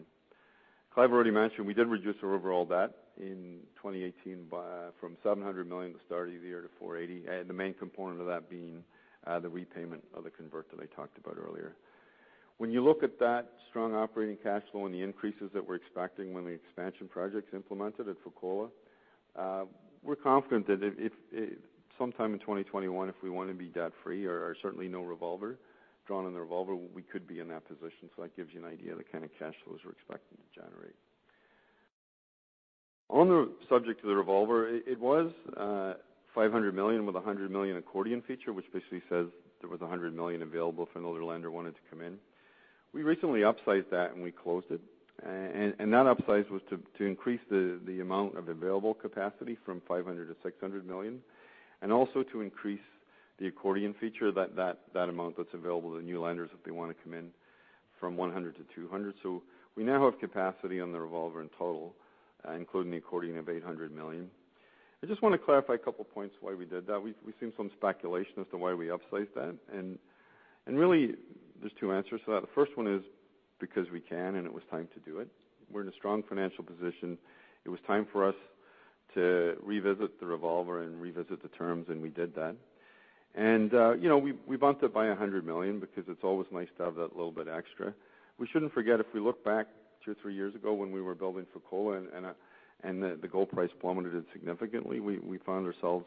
Clive already mentioned we did reduce our overall debt in 2018 from $700 million at the start of the year to $480. The main component of that being the repayment of the convert that I talked about earlier. When you look at that strong operating cash flow and the increases that we're expecting when the expansion project's implemented at Fekola, we're confident that if sometime in 2021 if we want to be debt-free or certainly no revolver, drawn on the revolver, we could be in that position. That gives you an idea of the kind of cash flows we're expecting to generate. On the subject of the revolver, it was $500 million with $100 million accordion feature, which basically says there was $100 million available if another lender wanted to come in. We recently upsized that and we closed it. That upsize was to increase the amount of available capacity from $500 million to $600 million, and also to increase the accordion feature, that amount that's available to new lenders if they want to come in from $100 million to $200 million. So we now have capacity on the revolver in total, including the accordion of $800 million. I just want to clarify a couple points why we did that. We've seen some speculation as to why we upsized that, and really there's two answers to that. The first one is because we can, and it was time to do it. We're in a strong financial position. It was time for us to revisit the revolver and revisit the terms, and we did that. We bumped it by $100 million because it's always nice to have that little bit extra. We shouldn't forget, if we look back two or three years ago when we were building Fekola and the gold price plummeted significantly, we found ourselves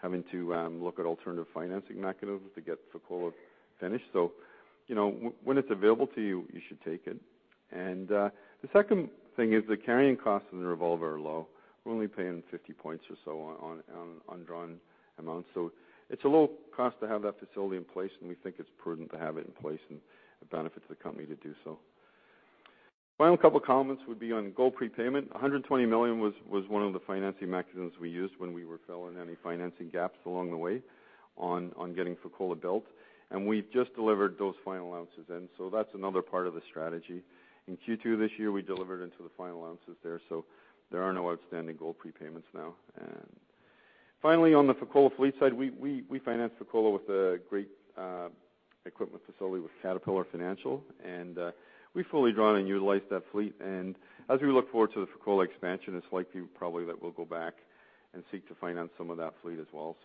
having to look at alternative financing mechanisms to get Fekola finished. When it's available to you should take it. The second thing is the carrying costs of the revolver are low. We're only paying 50 points or so on drawn amounts. It's a low cost to have that facility in place, and we think it's prudent to have it in place, and it benefits the company to do so. Final couple of comments would be on gold prepayment. $120 million was one of the financing mechanisms we used when we were filling any financing gaps along the way on getting Fekola built, and we've just delivered those final ounces in. That's another part of the strategy. In Q2 this year, we delivered into the final ounces there are no outstanding gold prepayments now. Finally, on the Fekola fleet side, we financed Fekola with a great equipment facility with Caterpillar Financial, and we fully drawn and utilized that fleet. As we look forward to the Fekola expansion, it's likely probably that we'll go back and seek to finance some of that fleet as well.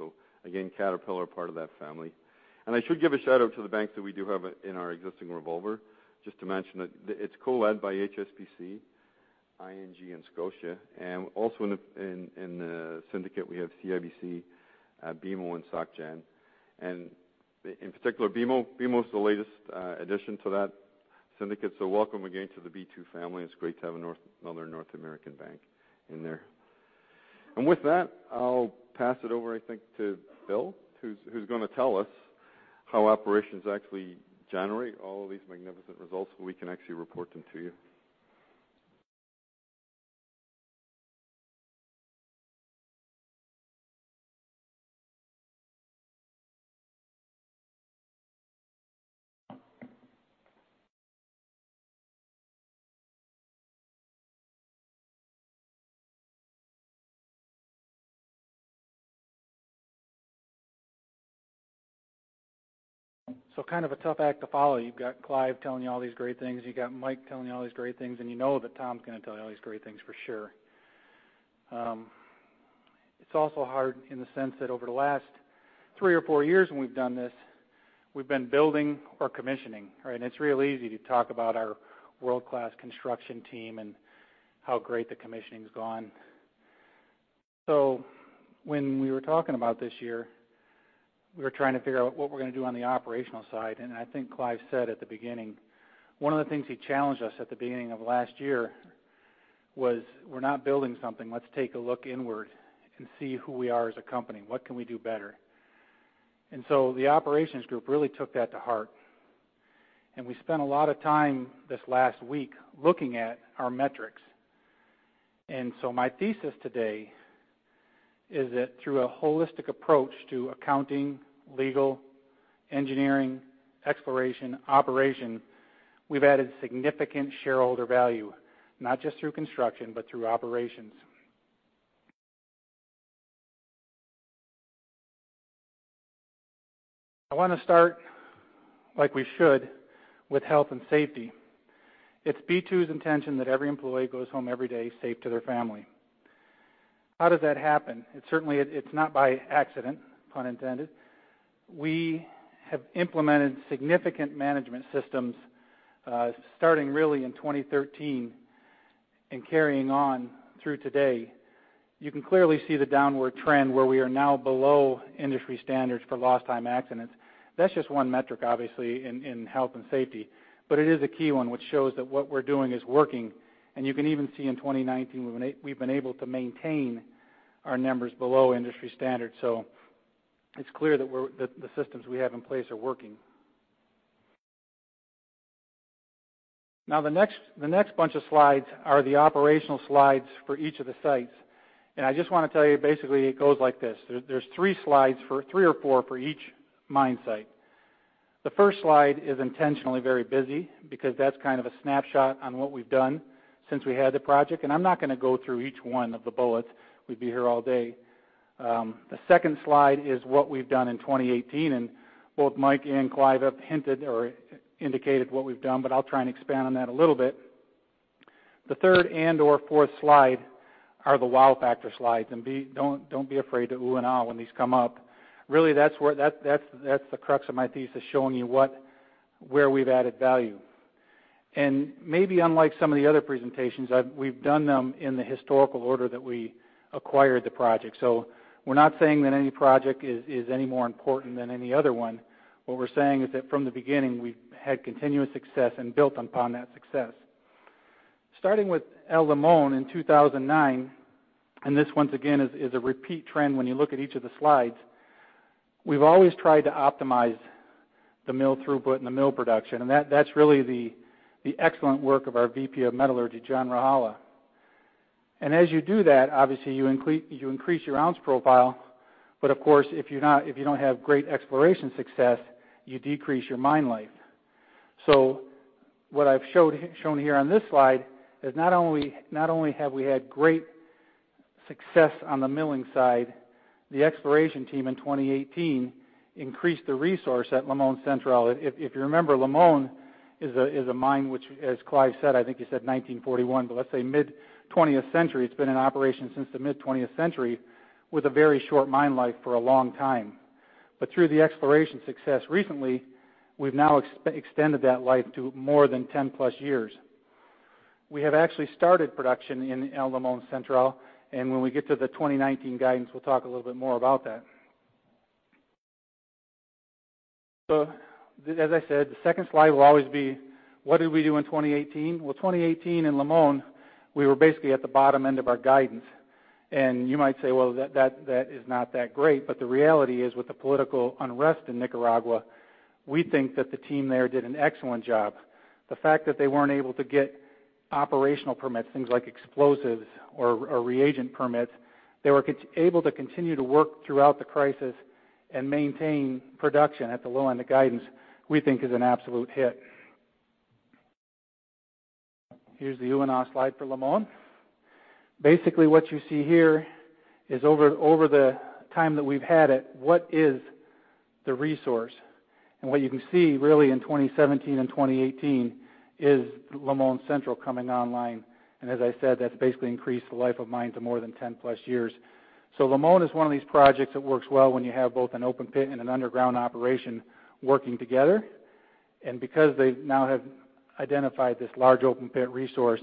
Again, Caterpillar, part of that family. I should give a shout-out to the banks that we do have in our existing revolver, just to mention that it's co-led by HSBC, ING, and Scotia, and also in the syndicate we have CIBC, BMO, and Soc Gen. In particular, BMO is the latest addition to that syndicate. Welcome again to the B2 family. It's great to have another North American bank in there. With that, I'll pass it over, I think, to Bill, who's going to tell us how operations actually generate all of these magnificent results so we can actually report them to you. Kind of a tough act to follow. You've got Clive telling you all these great things, you've got Mike telling you all these great things, and you know that Tom's going to tell you all these great things for sure. It's also hard in the sense that over the last three or four years when we've done this, we've been building or commissioning, right? It's real easy to talk about our world-class construction team and how great the commissioning's gone. When we were talking about this year, we were trying to figure out what we're going to do on the operational side, I think Clive said at the beginning, one of the things he challenged us at the beginning of last year was, "We're not building something. Let's take a look inward and see who we are as a company. What can we do better?" The operations group really took that to heart, we spent a lot of time this last week looking at our metrics. My thesis today is that through a holistic approach to accounting, legal, engineering, exploration, operation, we've added significant shareholder value, not just through construction but through operations. I want to start, like we should, with health and safety. It's B2's intention that every employee goes home every day safe to their family. How does that happen? It certainly it's not by accident, pun intended. We have implemented significant management systems, starting really in 2013 and carrying on through today. You can clearly see the downward trend where we are now below industry standards for lost time accidents. That's just one metric, obviously, in health and safety, but it is a key one which shows that what we're doing is working. You can even see in 2019, we've been able to maintain our numbers below industry standards. It's clear that the systems we have in place are working. Now, the next bunch of slides are the operational slides for each of the sites. I just want to tell you, basically, it goes like this. There's three slides, three or four for each mine site. The first slide is intentionally very busy because that's kind of a snapshot on what we've done since we had the project, I'm not going to go through each one of the bullets. We'd be here all day. The second slide is what we've done in 2018, both Mike and Clive have hinted or indicated what we've done, I'll try and expand on that a little bit. The third and/or fourth slide are the wow factor slides, don't be afraid to ooh and ah when these come up. Really, that's the crux of my thesis, showing you where we've added value. Maybe unlike some of the other presentations, we've done them in the historical order that we acquired the project. We're not saying that any project is any more important than any other one. What we're saying is that from the beginning, we've had continuous success and built upon that success. Starting with El Limon in 2009, this, once again, is a repeat trend when you look at each of the slides, we've always tried to optimize the mill throughput and the mill production, that's really the excellent work of our Vice President of Metallurgy, John Rajala. As you do that, obviously, you increase your ounce profile. Of course, if you don't have great exploration success, you decrease your mine life. What I've shown here on this slide is not only have we had great success on the milling side, the exploration team in 2018 increased the resource at Limon Central. If you remember, Limon is a mine which, as Clive said, I think he said 1941, but let's say mid-20th century. It's been in operation since the mid-20th century with a very short mine life for a long time. Through the exploration success recently, we've now extended that life to more than 10-plus years. We have actually started production in El Limon Central, and when we get to the 2019 guidance, we'll talk a little bit more about that. As I said, the second slide will always be, what did we do in 2018? Well, 2018, in Limon, we were basically at the bottom end of our guidance. You might say, "Well, that is not that great," but the reality is, with the political unrest in Nicaragua, we think that the team there did an excellent job. The fact that they weren't able to get operational permits, things like explosives or reagent permits, they were able to continue to work throughout the crisis and maintain production at the low end of guidance, we think is an absolute hit. Here's the ooh and aah slide for Limon. Basically, what you see here is over the time that we've had it, what is the resource? What you can see, really, in 2017 and 2018, is Limon Central coming online. As I said, that's basically increased the life of mine to more than 10-plus years. Limon is one of these projects that works well when you have both an open pit and an underground operation working together. Because they now have identified this large open-pit resource,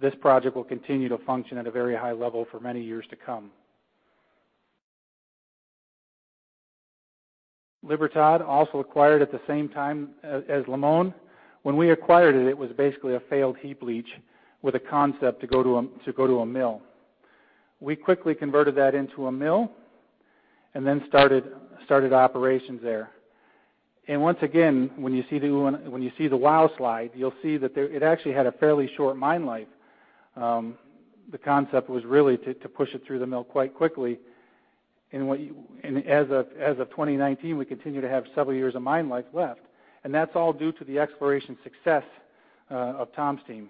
this project will continue to function at a very high level for many years to come. Libertad, also acquired at the same time as Limon. When we acquired it was basically a failed heap leach with a concept to go to a mill. We quickly converted that into a mill, then started operations there. Once again, when you see the wow slide, you'll see that it actually had a fairly short mine life. The concept was really to push it through the mill quite quickly. As of 2019, we continue to have several years of mine life left, and that's all due to the exploration success of Tom's team.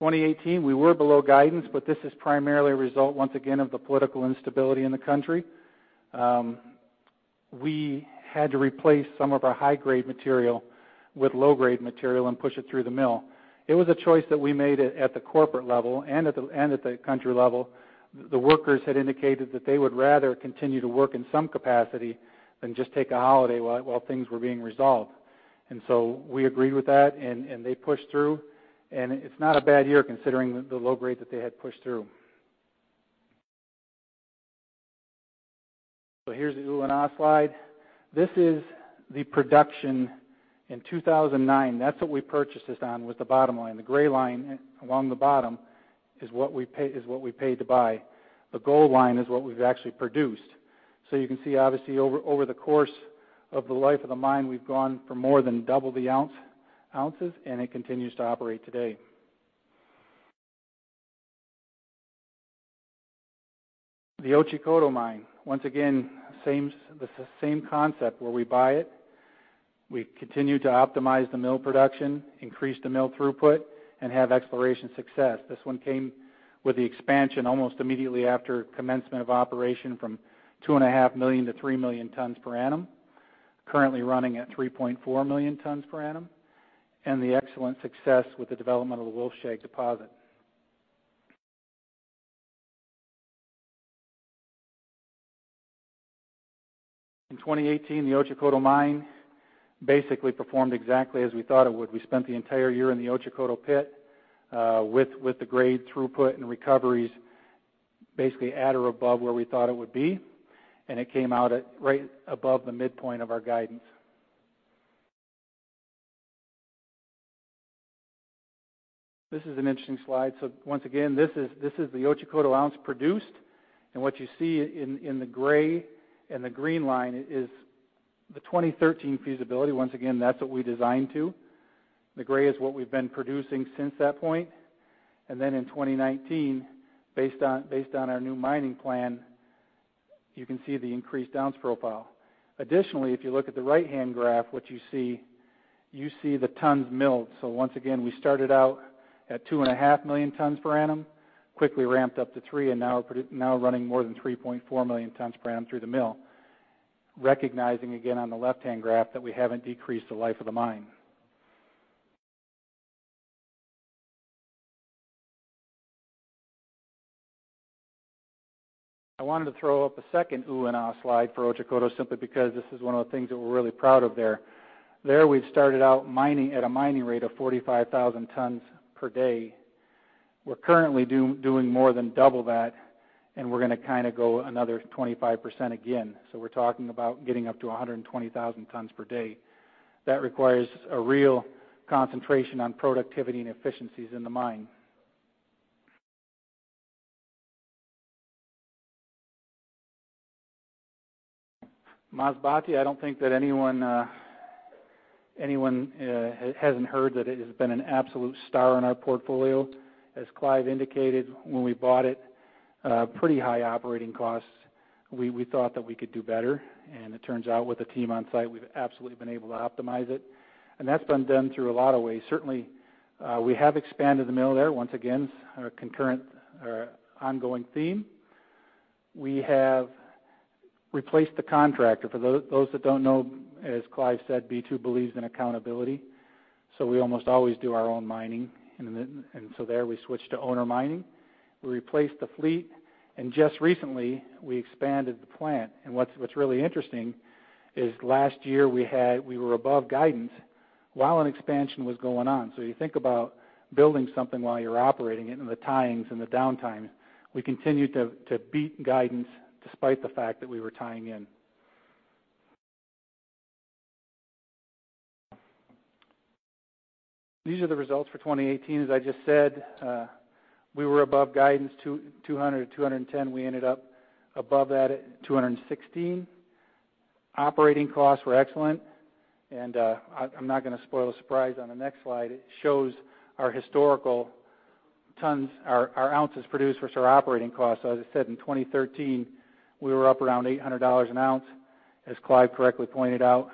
2018, we were below guidance, this is primarily a result, once again, of the political instability in the country. We had to replace some of our high-grade material with low-grade material and push it through the mill. It was a choice that we made at the corporate level and at the country level. The workers had indicated that they would rather continue to work in some capacity than just take a holiday while things were being resolved. We agreed with that, and they pushed through, and it's not a bad year, considering the low grade that they had pushed through. Here's the ooh and aah slide. This is the production in 2009. That's what we purchased this on, was the bottom line. The gray line along the bottom is what we paid to buy. The gold line is what we've actually produced. You can see, obviously, over the course of the life of the mine, we've gone for more than double the ounces, and it continues to operate today. The Otjikoto Mine. Once again, the same concept, where we buy it, we continue to optimize the mill production, increase the mill throughput, and have exploration success. This one came with the expansion almost immediately after commencement of operation from 2.5 million to 3 million tons per annum, currently running at 3.4 million tons per annum, and the excellent success with the development of the Wolfshag Deposit. In 2018, the Otjikoto Mine basically performed exactly as we thought it would. We spent the entire year in the Otjikoto pit, with the grade throughput and recoveries basically at or above where we thought it would be, and it came out at right above the midpoint of our guidance. This is an interesting slide. Once again, this is the Otjikoto ounce produced. What you see in the gray and the green line is the 2013 feasibility. Once again, that's what we designed to. The gray is what we've been producing since that point. In 2019, based on our new mining plan, you can see the increased ounce profile. Additionally, if you look at the right-hand graph, what you see, you see the tons milled. Once again, we started out at 2.5 million tons per annum, quickly ramped up to 3, and now are running more than 3.4 million tons per annum through the mill. Recognizing, again, on the left-hand graph, that we haven't decreased the life of the mine. I wanted to throw up a second ooh and aah slide for Otjikoto, simply because this is one of the things that we're really proud of there. There, we've started out at a mining rate of 45,000 tons per day. We're currently doing more than double that, and we're going to go another 25% again. We're talking about getting up to 120,000 tons per day. That requires a real concentration on productivity and efficiencies in the mine. Masbate, I don't think that anyone hasn't heard that it has been an absolute star in our portfolio. As Clive indicated, when we bought it, pretty high operating costs. We thought that we could do better, and it turns out, with the team on-site, we've absolutely been able to optimize it, and that's been done through a lot of ways. Certainly, we have expanded the mill there. Once again, our concurrent, ongoing theme. We have replaced the contractor. For those that don't know, as Clive said, B2 believes in accountability, we almost always do our own mining, and so there, we switched to owner mining. We replaced the fleet and just recently we expanded the plant. What's really interesting is last year we were above guidance while an expansion was going on. You think about building something while you're operating it and the tie-ins and the downtime. We continued to beat guidance despite the fact that we were tying in. These are the results for 2018. As I just said, we were above guidance, 200 to 210. We ended up above that at 216. Operating costs were excellent and I'm not going to spoil the surprise on the next slide. It shows our historical ounces produced versus our operating costs. As I said, in 2013, we were up around $800 an ounce. As Clive correctly pointed out,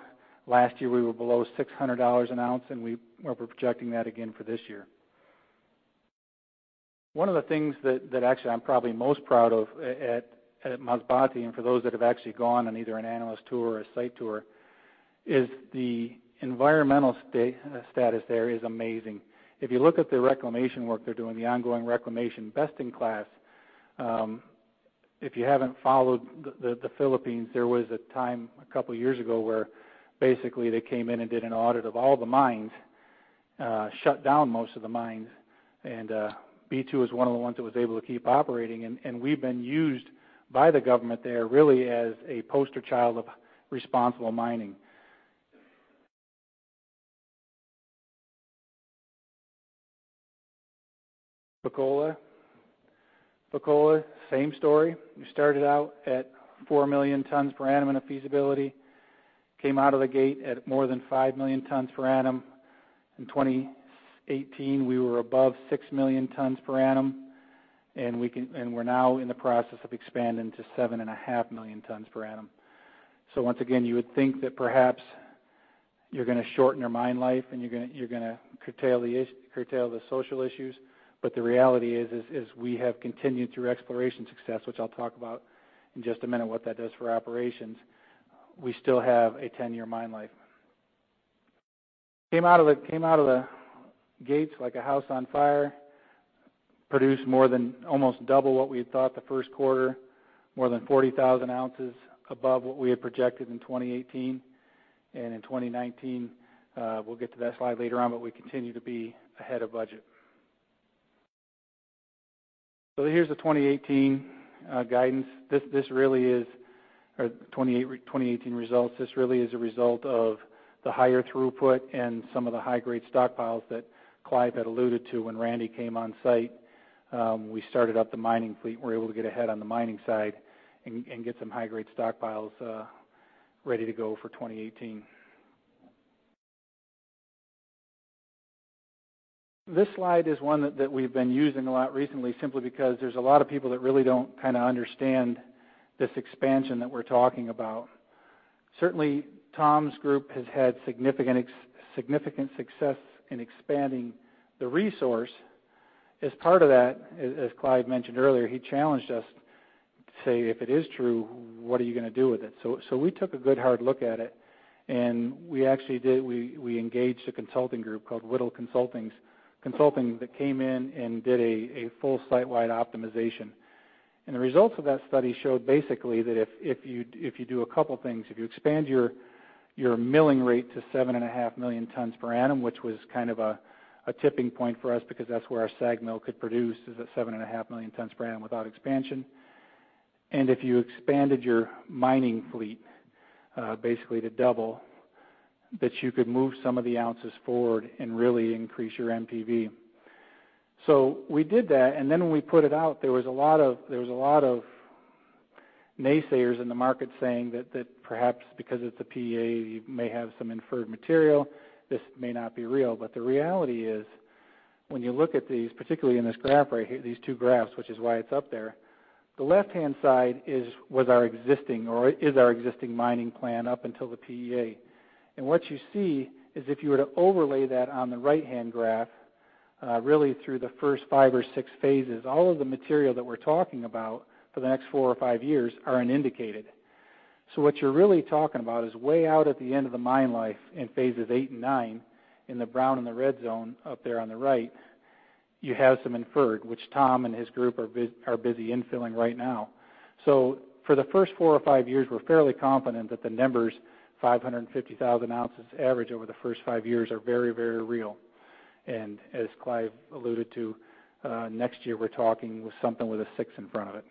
last year we were below $600 an ounce and we're projecting that again for this year. One of the things that actually I'm probably most proud of at Masbate and for those that have actually gone on either an analyst tour or a site tour, is the environmental status there is amazing. If you look at the reclamation work they're doing, the ongoing reclamation, best in class. If you haven't followed the Philippines, there was a time a couple of years ago where basically they came in and did an audit of all the mines, shut down most of the mines and B2Gold is one of the ones that was able to keep operating and we've been used by the government there really as a poster child of responsible mining. Fekola. Fekola, same story. We started out at 4 million tons per annum in a feasibility, came out of the gate at more than 5 million tons per annum. In 2018, we were above 6 million tons per annum and we're now in the process of expanding to 7.5 million tons per annum. Once again, you would think that perhaps you're going to shorten your mine life and you're going to curtail the social issues. But the reality is we have continued through exploration success, which I'll talk about in just a minute, what that does for operations. We still have a 10-year mine life. Came out of the gates like a house on fire, produced more than almost double what we had thought the 1st quarter, more than 40,000 ounces above what we had projected in 2018. And in 2019, we'll get to that slide later on, but we continue to be ahead of budget. Here's the 2018 guidance. This really is our 2018 results. This really is a result of the higher throughput and some of the high-grade stockpiles that Clive had alluded to when Randy came on site. We started up the mining fleet and were able to get ahead on the mining side and get some high-grade stockpiles ready to go for 2018. This slide is one that we've been using a lot recently, simply because there's a lot of people that really don't understand this expansion that we're talking about. Certainly, Tom's group has had significant success in expanding the resource. As part of that, as Clive mentioned earlier, he challenged us to say, "If it is true, what are you going to do with it?" We took a good hard look at it and we engaged a consulting group called Whittle Consulting that came in and did a full site-wide optimization. And the results of that study showed basically that if you do a couple of things, if you expand your milling rate to 7.5 million tons per annum, which was a tipping point for us because that's where our SAG mill could produce is at 7.5 million tons per annum without expansion. And if you expanded your mining fleet basically to double, that you could move some of the ounces forward and really increase your NPV. We did that and then when we put it out, there was a lot of naysayers in the market saying that perhaps because it's a PEA, you may have some inferred material. This may not be real. The reality is when you look at these, particularly in this graph right here, these two graphs, which is why it's up there, the left-hand side is our existing mining plan up until the PEA. What you see is if you were to overlay that on the right-hand graph, really through the first 5 or 6 phases, all of the material that we're talking about for the next four or five years are unindicated. What you're really talking about is way out at the end of the mine life in phases 8 and 9 in the brown and the red zone up there on the right, you have some inferred, which Tom and his group are busy infilling right now. For the first four or five years, we're fairly confident that the numbers, 550,000 ounces average over the first five years are very, very real. As Clive alluded to, next year we're talking with something with a six in front of it.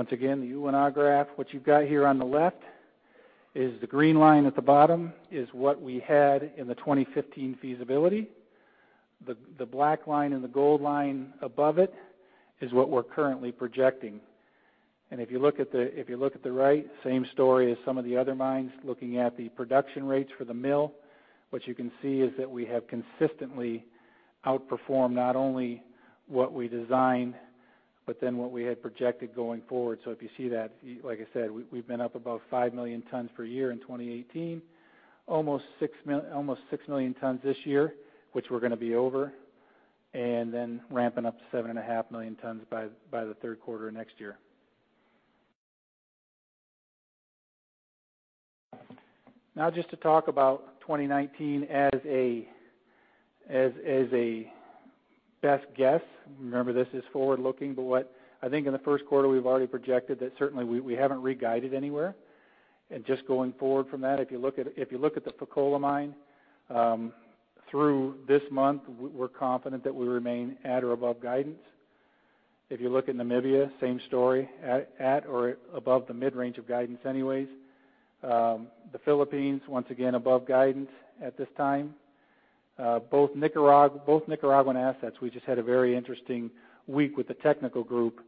Once again, the ooh and aah graph. What you've got here on the left is the green line at the bottom is what we had in the 2015 feasibility. The black line and the gold line above it is what we're currently projecting. If you look at the right, same story as some of the other mines, looking at the production rates for the mill. What you can see is that we have consistently outperformed not only what we designed, what we had projected going forward. If you see that, like I said, we've been up about 5 million tons per year in 2018, almost 6 million tons this year, which we're going to be over, then ramping up to 7.5 million tons by the third quarter of next year. Now just to talk about 2019 as a best guess. Remember, this is forward-looking. What I think in the first quarter, we've already projected that certainly we haven't re-guided anywhere. Just going forward from that, if you look at the Fekola Mine, through this month, we're confident that we remain at or above guidance. If you look at Namibia, same story, at or above the mid-range of guidance anyways. The Philippines, once again, above guidance at this time. Both Nicaraguan assets, we just had a very interesting week with the technical group,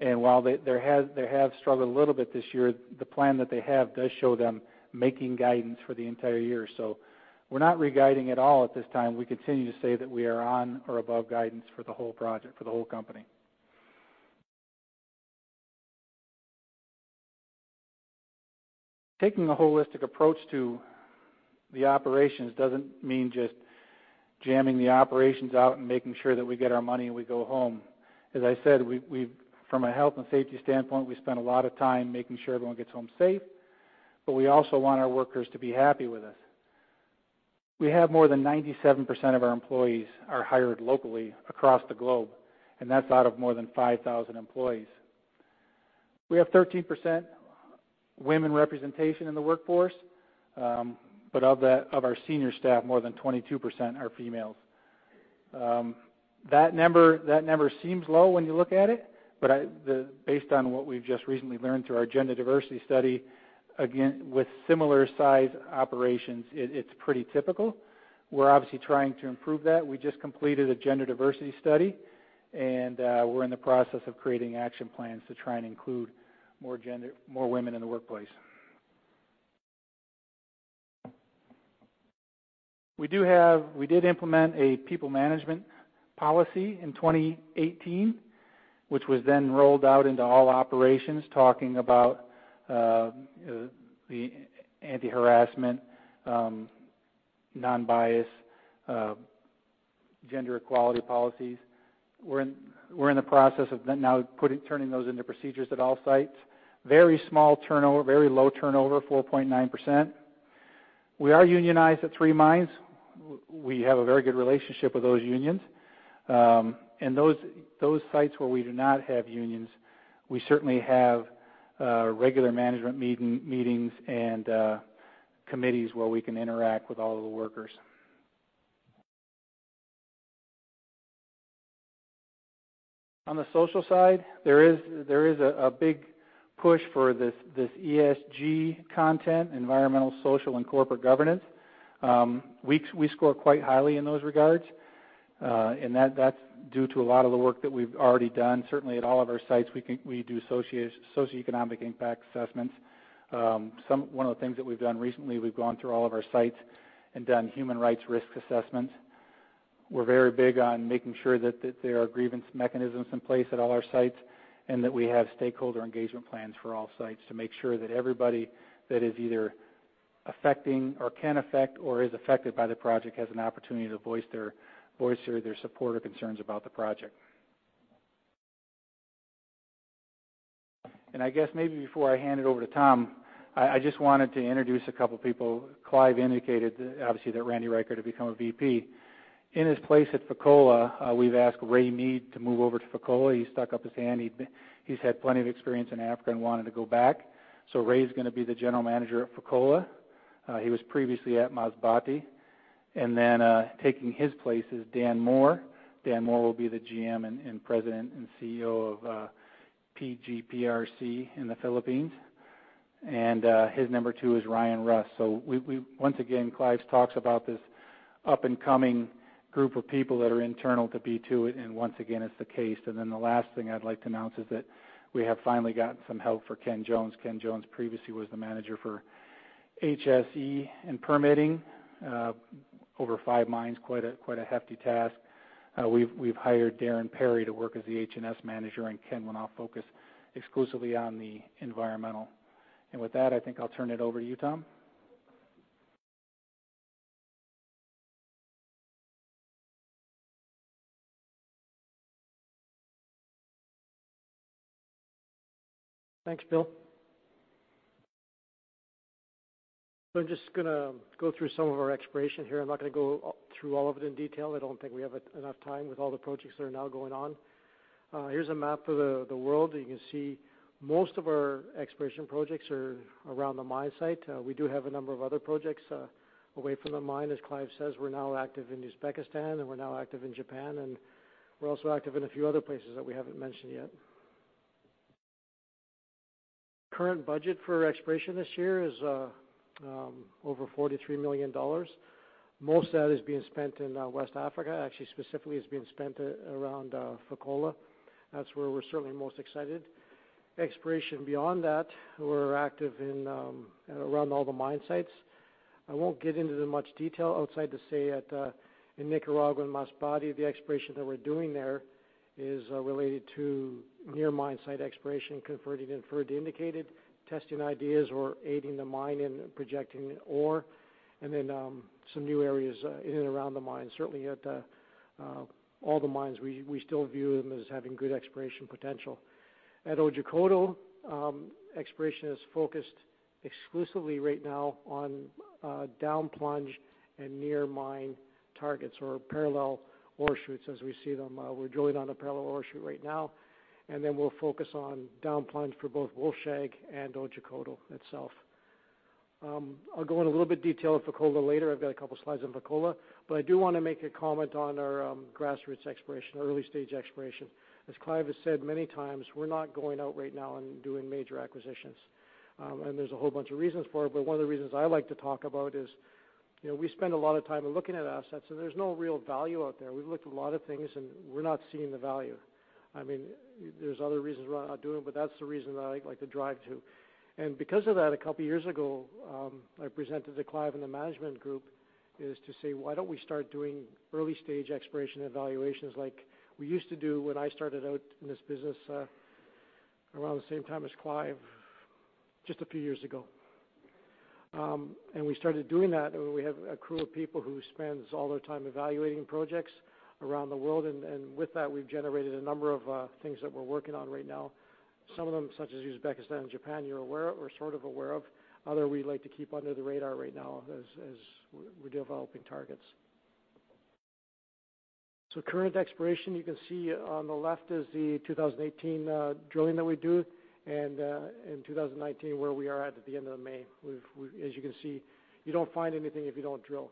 while they have struggled a little bit this year, the plan that they have does show them making guidance for the entire year. We're not re-guiding at all at this time. We continue to say that we are on or above guidance for the whole company. Taking a holistic approach to the operations doesn't mean just jamming the operations out and making sure that we get our money and we go home. As I said, from a health and safety standpoint, we spend a lot of time making sure everyone gets home safe, but we also want our workers to be happy with us. We have more than 97% of our employees are hired locally across the globe, and that's out of more than 5,000 employees. We have 13% women representation in the workforce. Of our senior staff, more than 22% are females. That number seems low when you look at it, but based on what we've just recently learned through our gender diversity study, again, with similar size operations, it's pretty typical. We're obviously trying to improve that. We just completed a gender diversity study, and we're in the process of creating action plans to try and include more women in the workplace. We did implement a people management policy in 2018, which was then rolled out into all operations, talking about the anti-harassment, non-bias, gender equality policies. We're in the process of now turning those into procedures at all sites. Very low turnover, 4.9%. We are unionized at three mines. We have a very good relationship with those unions. Those sites where we do not have unions, we certainly have regular management meetings and committees where we can interact with all of the workers. On the social side, there is a big push for this ESG content, environmental, social, and corporate governance. We score quite highly in those regards, and that's due to a lot of the work that we've already done. Certainly at all of our sites, we do socioeconomic impact assessments. One of the things that we've done recently, we've gone through all of our sites and done human rights risk assessments. We're very big on making sure that there are grievance mechanisms in place at all our sites, and that we have stakeholder engagement plans for all sites to make sure that everybody that is either affecting or can affect or is affected by the project has an opportunity to voice their support or concerns about the project. I guess maybe before I hand it over to Tom, I just wanted to introduce a couple of people. Clive indicated, obviously, that Randy Reichert had become a VP. In his place at Fekola, we've asked Ray Mead to move over to Fekola. He stuck up his hand. He's had plenty of experience in Africa and wanted to go back. So Ray's going to be the general manager at Fekola. He was previously at Masbate. Taking his place is Dan Moore. Dan Moore will be the GM and President and CEO of PGPRC in the Philippines. His number two is Ryan Russ. Once again, Clive's talks about this up-and-coming group of people that are internal to B2, once again, it's the case. The last thing I'd like to announce is that we have finally gotten some help for Ken Jones. Ken Jones previously was the manager for HSE and permitting over five mines, quite a hefty task. We've hired Darren Perry to work as the H&S manager, and Ken will now focus exclusively on the environmental. With that, I think I'll turn it over to you, Tom. Thanks, Bill. I'm just going to go through some of our exploration here. I'm not going to go through all of it in detail. I don't think we have enough time with all the projects that are now going on. Here's a map of the world. You can see most of our exploration projects are around the mine site. We do have a number of other projects away from the mine. As Clive says, we're now active in Uzbekistan and we're now active in Japan, and we're also active in a few other places that we haven't mentioned yet. Current budget for exploration this year is over $43 million. Most of that is being spent in West Africa, actually specifically is being spent around Fekola. That's where we're certainly most excited. Exploration beyond that, we're active around all the mine sites. I won't get into much detail outside to say in Nicaragua and Masbate, the exploration that we're doing there is related to near mine site exploration, converting inferred indicated testing ideas or aiding the mine in projecting ore, and then some new areas in and around the mine. Certainly at all the mines, we still view them as having good exploration potential. At Otjikoto, exploration is focused exclusively right now on down plunge and near mine targets or parallel ore shoots as we see them. We're drilling on a parallel ore shoot right now, then we'll focus on down plunge for both Wolfshag and Otjikoto itself. I'll go in a little bit detail of Fekola later. I've got a couple slides on Fekola, I do want to make a comment on our grassroots exploration, early stage exploration. As Clive has said many times, we're not going out right now and doing major acquisitions. There's a whole bunch of reasons for it, but one of the reasons I like to talk about is, we spend a lot of time looking at assets, and there's no real value out there. We've looked at a lot of things, and we're not seeing the value. There's other reasons we're not doing it, but that's the reason that I like to drive to. Because of that, a couple years ago, I presented to Clive and the management group to say, "Why don't we start doing early stage exploration evaluations like we used to do when I started out in this business around the same time as Clive just a few years ago?" We started doing that, and we have a crew of people who spends all their time evaluating projects around the world, and with that, we've generated a number of things that we're working on right now. Some of them, such as Uzbekistan and Japan, you're aware of or sort of aware of. Other we like to keep under the radar right now as we're developing targets. Current exploration, you can see on the left is the 2018 drilling that we do and in 2019, where we are at the end of the May. As you can see, you don't find anything if you don't drill.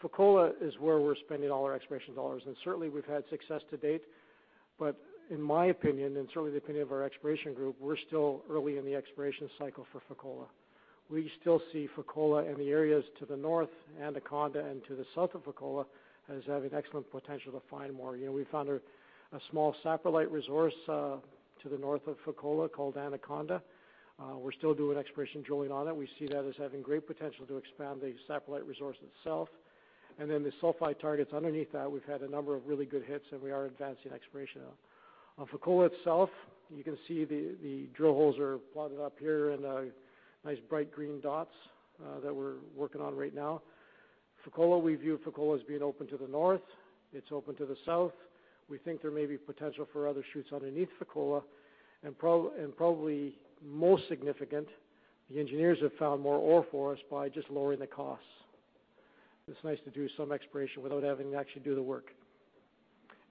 Fekola is where we're spending all our exploration dollars, and certainly we've had success to date. In my opinion, and certainly the opinion of our exploration group, we're still early in the exploration cycle for Fekola. We still see Fekola and the areas to the north, Anaconda, and to the south of Fekola as having excellent potential to find more. We found a small satellite resource to the north of Fekola called Anaconda. We're still doing exploration drilling on it. We see that as having great potential to expand the satellite resource itself. The sulfide targets underneath that, we've had a number of really good hits and we are advancing exploration now. On Fekola itself, you can see the drill holes are plotted up here in nice bright green dots that we're working on right now. We view Fekola as being open to the north. It's open to the south. We think there may be potential for other shoots underneath Fekola, and probably most significant, the engineers have found more ore for us by just lowering the costs. It's nice to do some exploration without having to actually do the work.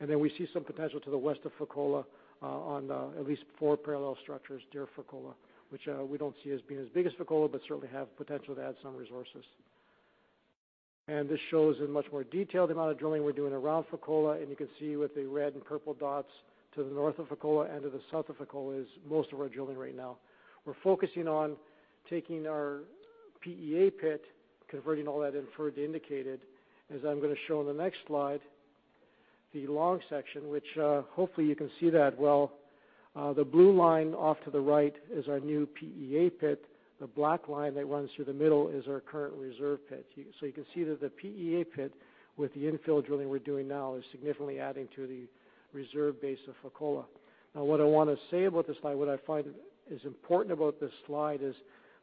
We see some potential to the west of Fekola on at least four parallel structures near Fekola, which we don't see as being as big as Fekola, but certainly have potential to add some resources. This shows in much more detail the amount of drilling we're doing around Fekola, you can see with the red and purple dots to the north of Fekola and to the south of Fekola is most of our drilling right now. We're focusing on taking our PEA pit, converting all that inferred to indicated, as I'm going to show in the next slide, the long section, which hopefully you can see that well. The blue line off to the right is our new PEA pit. The black line that runs through the middle is our current reserve pit. You can see that the PEA pit with the infill drilling we're doing now is significantly adding to the reserve base of Fekola. What I want to say about this slide, what I find is important about this slide is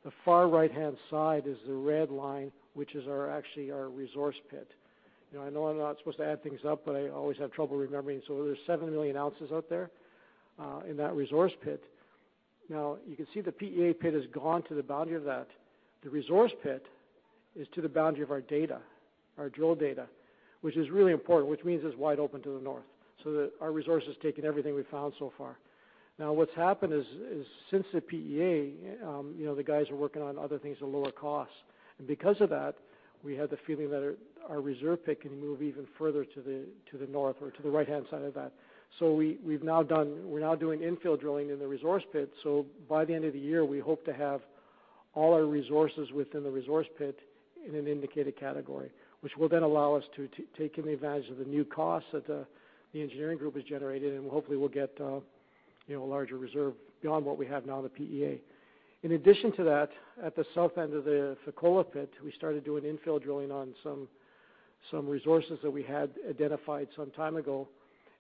the far right-hand side is the red line, which is actually our resource pit. I know I'm not supposed to add things up, I always have trouble remembering. There's seven million ounces out there in that resource pit. You can see the PEA pit has gone to the boundary of that. The resource pit is to the boundary of our data, our drill data, which is really important, which means it's wide open to the north, so that our resource is taking everything we've found so far. What's happened is since the PEA, the guys are working on other things at lower costs, because of that, we had the feeling that our reserve pit can move even further to the north or to the right-hand side of that. We're now doing infill drilling in the resource pit, by the end of the year, we hope to have all our resources within the resource pit in an indicated category, which will then allow us to take advantage of the new costs that the engineering group has generated, hopefully we'll get a larger reserve beyond what we have now, the PEA. In addition to that, at the south end of the Fekola pit, we started doing infill drilling on some resources that we had identified some time ago,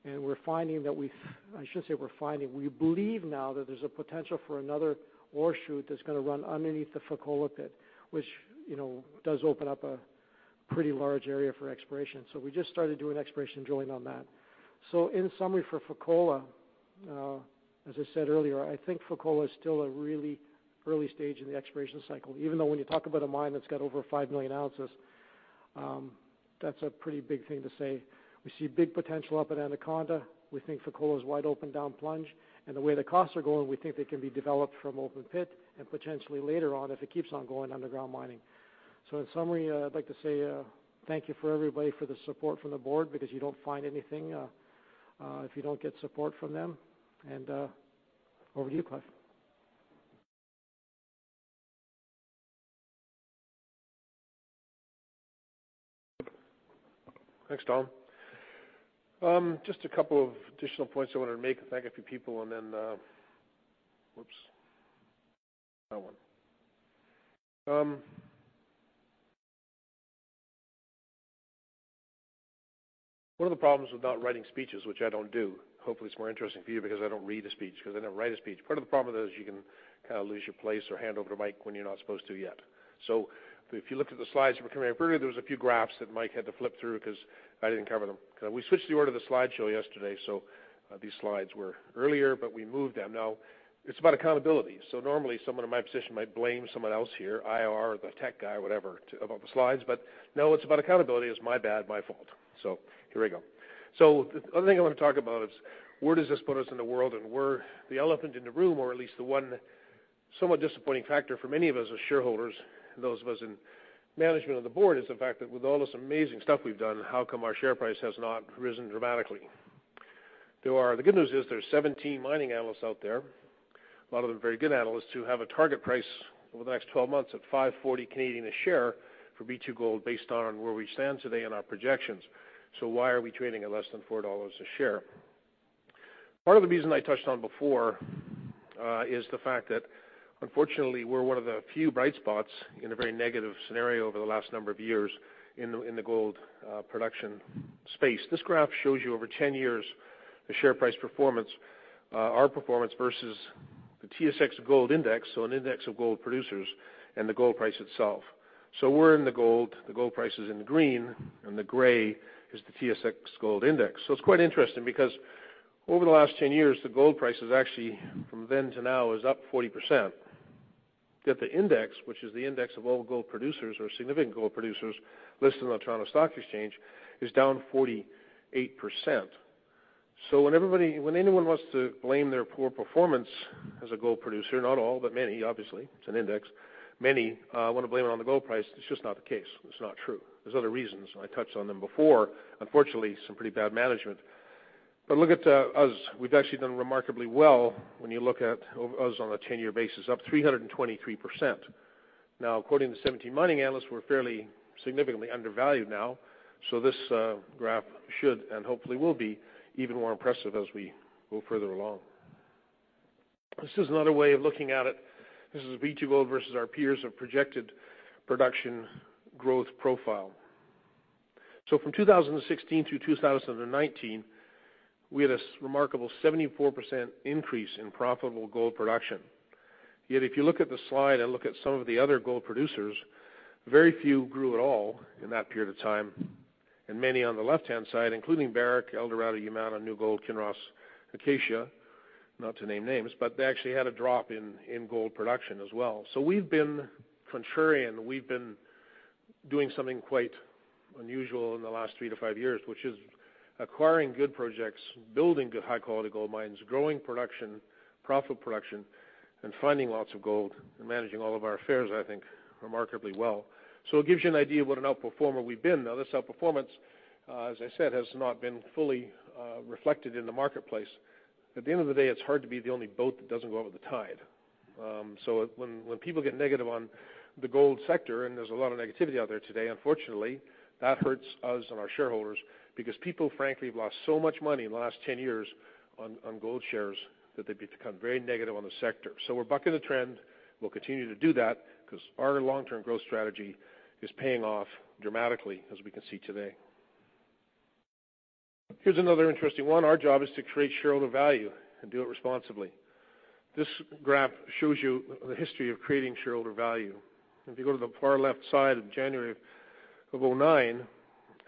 and we're finding that we. We believe now that there's a potential for another ore shoot that's going to run underneath the Fekola pit, which does open up a pretty large area for exploration. We just started doing exploration drilling on that. In summary for Fekola, as I said earlier, I think Fekola is still a really early stage in the exploration cycle, even though when you talk about a mine that's got over five million ounces, that's a pretty big thing to say. We see big potential up at Anaconda. We think Fekola is wide open down plunge, the way the costs are going, we think they can be developed from open pit and potentially later on, if it keeps on going, underground mining. In summary, I'd like to say thank you for everybody for the support from the board because you don't find anything if you don't get support from them. Over to you, Clive. Thanks, Tom. Just a couple of additional points I wanted to make. Thank a few people and then Whoops. That one. One of the problems with not writing speeches, which I don't do, hopefully it's more interesting for you because I don't read a speech, because I never write a speech. Part of the problem, though, is you can lose your place or hand over the mic when you're not supposed to yet. If you looked at the slides that were coming up earlier, there was a few graphs that Mike had to flip through because I didn't cover them. We switched the order of the slideshow yesterday, these slides were earlier, but we moved them. Now it's about accountability. Normally, someone in my position might blame someone else here, IR or the tech guy or whatever, about the slides. No, it's about accountability. It's my bad, my fault. Here I go. The other thing I want to talk about is where does this put us in the world and where the elephant in the room, or at least the one somewhat disappointing factor for many of us as shareholders and those of us in management on the board, is the fact that with all this amazing stuff we've done, how come our share price has not risen dramatically? The good news is there's 17 mining analysts out there, a lot of them very good analysts, who have a target price over the next 12 months of C$5.40 a share for B2Gold based on where we stand today in our projections. Why are we trading at less than $4 a share? Part of the reason I touched on before is the fact that, unfortunately, we're one of the few bright spots in a very negative scenario over the last number of years in the gold production space. This graph shows you, over 10 years, the share price performance, our performance versus the TSX Gold Index, an index of gold producers and the gold price itself. We're in the gold. The gold price is in the green, and the gray is the TSX Gold Index. It's quite interesting because over the last 10 years, the gold price is actually, from then to now, is up 40%. Yet the index, which is the index of all gold producers or significant gold producers listed on the Toronto Stock Exchange, is down 48%. When anyone wants to blame their poor performance as a gold producer, not all, but many, obviously, it's an index, many want to blame it on the gold price. It's just not the case. It's not true. There's other reasons, and I touched on them before. Unfortunately, some pretty bad management. Look at us. We've actually done remarkably well when you look at us on a 10-year basis, up 323%. Now, according to 17 mining analysts, we're fairly significantly undervalued now, this graph should and hopefully will be even more impressive as we go further along. This is another way of looking at it. This is B2Gold versus our peers' projected production growth profile. From 2016 to 2019, we had a remarkable 74% increase in profitable gold production. Yet, if you look at the slide and look at some of the other gold producers, very few grew at all in that period of time, and many on the left-hand side, including Barrick, Eldorado, Yamana, New Gold, Kinross, Acacia, not to name names, but they actually had a drop in gold production as well. We've been contrarian. We've been doing something quite unusual in the last three to five years, which is acquiring good projects, building good, high-quality gold mines, growing production, profitable production, and finding lots of gold, and managing all of our affairs, I think, remarkably well. It gives you an idea of what an outperformer we've been. Now, this outperformance, as I said, has not been fully reflected in the marketplace. At the end of the day, it's hard to be the only boat that doesn't go with the tide. When people get negative on the gold sector, and there's a lot of negativity out there today, unfortunately, that hurts us and our shareholders because people, frankly, have lost so much money in the last 10 years on gold shares that they've become very negative on the sector. We're bucking the trend. We'll continue to do that because our long-term growth strategy is paying off dramatically, as we can see today. Here's another interesting one. Our job is to create shareholder value and do it responsibly. This graph shows you the history of creating shareholder value. If you go to the far left side of January of 2009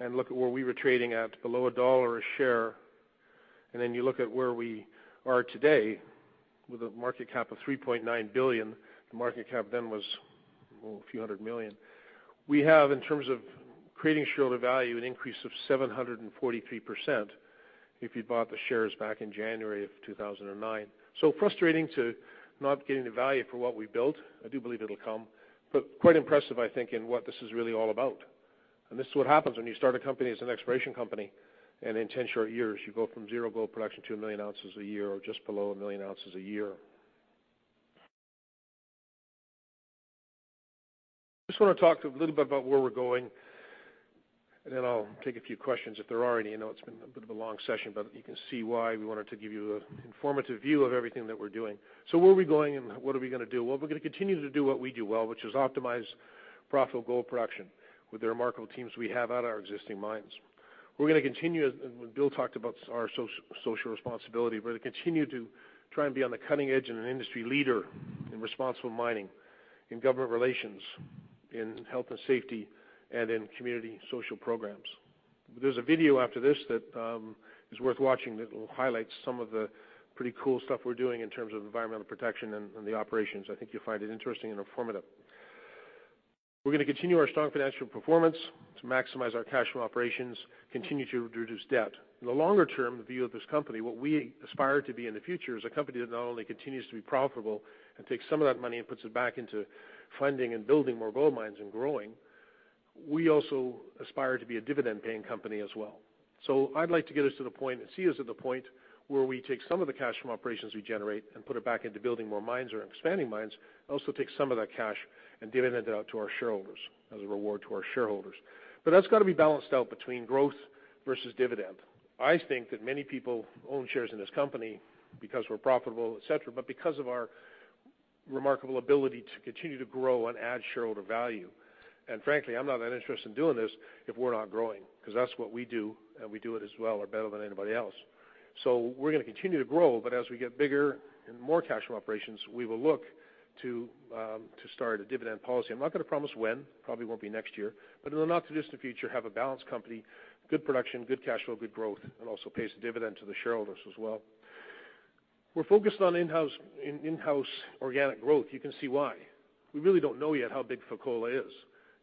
and look at where we were trading at below $1 a share. Then you look at where we are today with a market cap of $3.9 billion, the market cap then was a few hundred million. We have, in terms of creating shareholder value, an increase of 743% if you bought the shares back in January of 2009. Frustrating to not getting the value for what we built. I do believe it'll come, but quite impressive, I think, in what this is really all about. This is what happens when you start a company as an exploration company, and in 10 short years, you go from zero gold production to 1 million ounces a year or just below 1 million ounces a year. Just want to talk a little bit about where we're going. Then I'll take a few questions if there are any. I know it's been a bit of a long session, but you can see why we wanted to give you an informative view of everything that we're doing. Where are we going and what are we going to do? We're going to continue to do what we do well, which is optimize profitable gold production with the remarkable teams we have at our existing mines. We're going to continue, and Bill talked about our social responsibility. We're going to continue to try and be on the cutting edge and an industry leader in responsible mining, in government relations, in health and safety, and in community social programs. There's a video after this that is worth watching that will highlight some of the pretty cool stuff we're doing in terms of environmental protection and the operations. I think you'll find it interesting and informative. We're going to continue our strong financial performance to maximize our cash from operations, continue to reduce debt. In the longer-term view of this company, what we aspire to be in the future is a company that not only continues to be profitable and takes some of that money and puts it back into funding and building more gold mines and growing. We also aspire to be a dividend-paying company as well. I'd like to get us to the point and see us at the point where we take some of the cash from operations we generate and put it back into building more mines or expanding mines, and also take some of that cash and dividend it out to our shareholders as a reward to our shareholders. That's got to be balanced out between growth versus dividend. I think that many people own shares in this company because we're profitable, et cetera, but because of our remarkable ability to continue to grow and add shareholder value. Frankly, I'm not that interested in doing this if we're not growing, because that's what we do, and we do it as well or better than anybody else. We're going to continue to grow, but as we get bigger and more cash from operations, we will look to start a dividend policy. I'm not going to promise when, probably won't be next year, but in the not-too-distant future, have a balanced company, good production, good cash flow, good growth, and also pays a dividend to the shareholders as well. We're focused on in-house organic growth. You can see why. We really don't know yet how big Fekola is.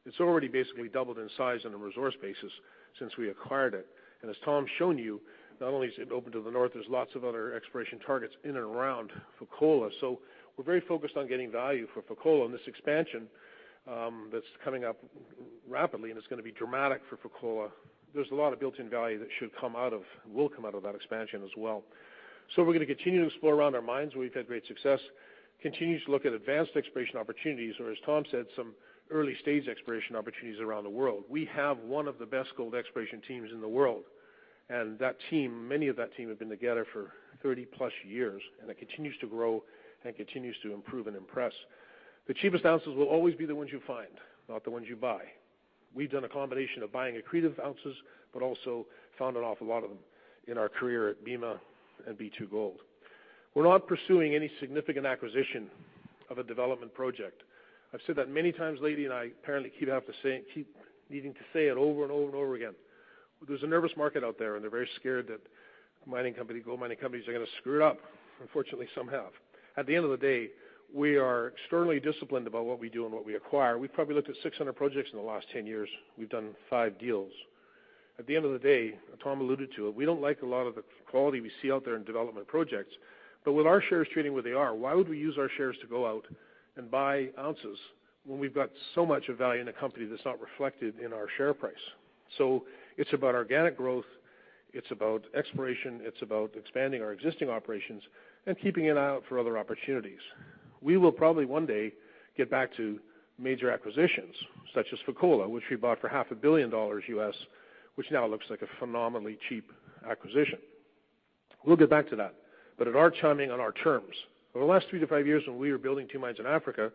It's already basically doubled in size on a resource basis since we acquired it. As Tom's shown you, not only is it open to the north, there's lots of other exploration targets in and around Fekola. We're very focused on getting value for Fekola and this expansion that's coming up rapidly and it's going to be dramatic for Fekola. There's a lot of built-in value that will come out of that expansion as well. We're going to continue to explore around our mines. We've had great success. Continue to look at advanced exploration opportunities, or as Tom said, some early stage exploration opportunities around the world. We have one of the best gold exploration teams in the world, and that team, many of that team have been together for 30+ years, and it continues to grow and continues to improve and impress. The cheapest ounces will always be the ones you find, not the ones you buy. We've done a combination of buying accretive ounces, but also founded off a lot of them in our career at Bema and B2Gold. We're not pursuing any significant acquisition of a development project. I've said that many times lately, I apparently keep needing to say it over and over again. There's a nervous market out there, they're very scared that gold mining companies are going to screw it up. Unfortunately, some have. At the end of the day, we are externally disciplined about what we do and what we acquire. We've probably looked at 600 projects in the last 10 years. We've done five deals. At the end of the day, Tom alluded to it, we don't like a lot of the quality we see out there in development projects. With our shares trading where they are, why would we use our shares to go out and buy ounces when we've got so much of value in a company that's not reflected in our share price? It's about organic growth, it's about exploration, it's about expanding our existing operations and keeping an eye out for other opportunities. We will probably one day get back to major acquisitions such as Fekola, which we bought for half a billion dollars U.S., which now looks like a phenomenally cheap acquisition. We'll get back to that, but at our timing on our terms. Over the last three to five years when we were building two mines in Africa,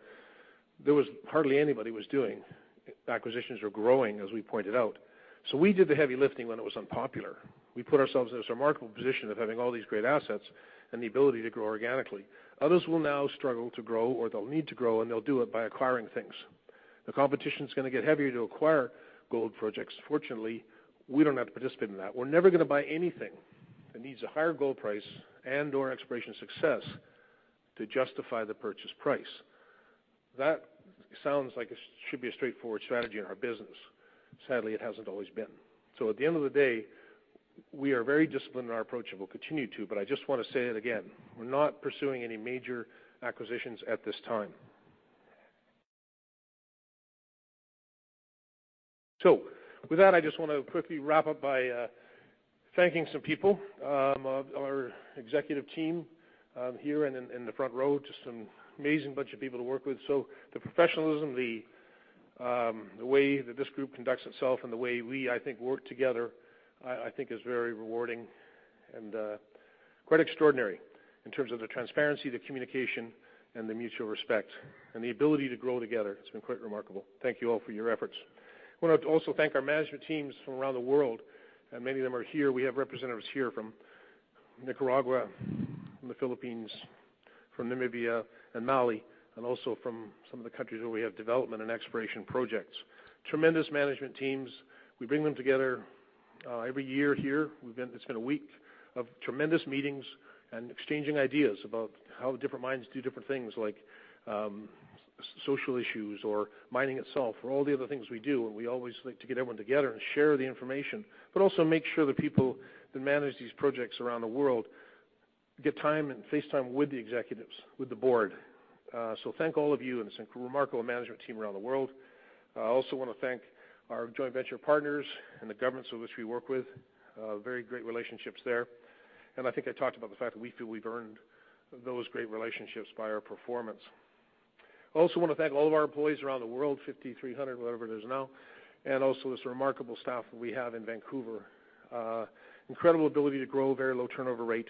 hardly anybody was doing acquisitions or growing, as we pointed out. We did the heavy lifting when it was unpopular. We put ourselves in this remarkable position of having all these great assets and the ability to grow organically. Others will now struggle to grow or they'll need to grow, and they'll do it by acquiring things. The competition is going to get heavier to acquire gold projects. Fortunately, we don't have to participate in that. We're never going to buy anything that needs a higher gold price and/or exploration success to justify the purchase price. That sounds like it should be a straightforward strategy in our business. Sadly, it hasn't always been. At the end of the day, we are very disciplined in our approach and will continue to, but I just want to say it again. We're not pursuing any major acquisitions at this time. With that, I just want to quickly wrap up by thanking some people. Our executive team here and in the front row, just an amazing bunch of people to work with. The professionalism, the way that this group conducts itself and the way we, I think, work together, I think is very rewarding and quite extraordinary in terms of the transparency, the communication, and the mutual respect, and the ability to grow together. It's been quite remarkable. Thank you all for your efforts. I want to also thank our management teams from around the world, and many of them are here. We have representatives here from Nicaragua, from the Philippines, from Namibia and Mali, and also from some of the countries where we have development and exploration projects. Tremendous management teams. We bring them together every year here. It's been a week of tremendous meetings and exchanging ideas about how different mines do different things like social issues or mining itself or all the other things we do and we always like to get everyone together and share the information, but also make sure the people that manage these projects around the world get time and face time with the executives, with the board. Thank all of you and it's a remarkable management team around the world. I also want to thank our joint venture partners and the governments with which we work with. Very great relationships there. I think I talked about the fact that we feel we've earned those great relationships by our performance. I also want to thank all of our employees around the world, 5,300, whatever it is now, and also this remarkable staff that we have in Vancouver. Incredible ability to grow, very low turnover rate,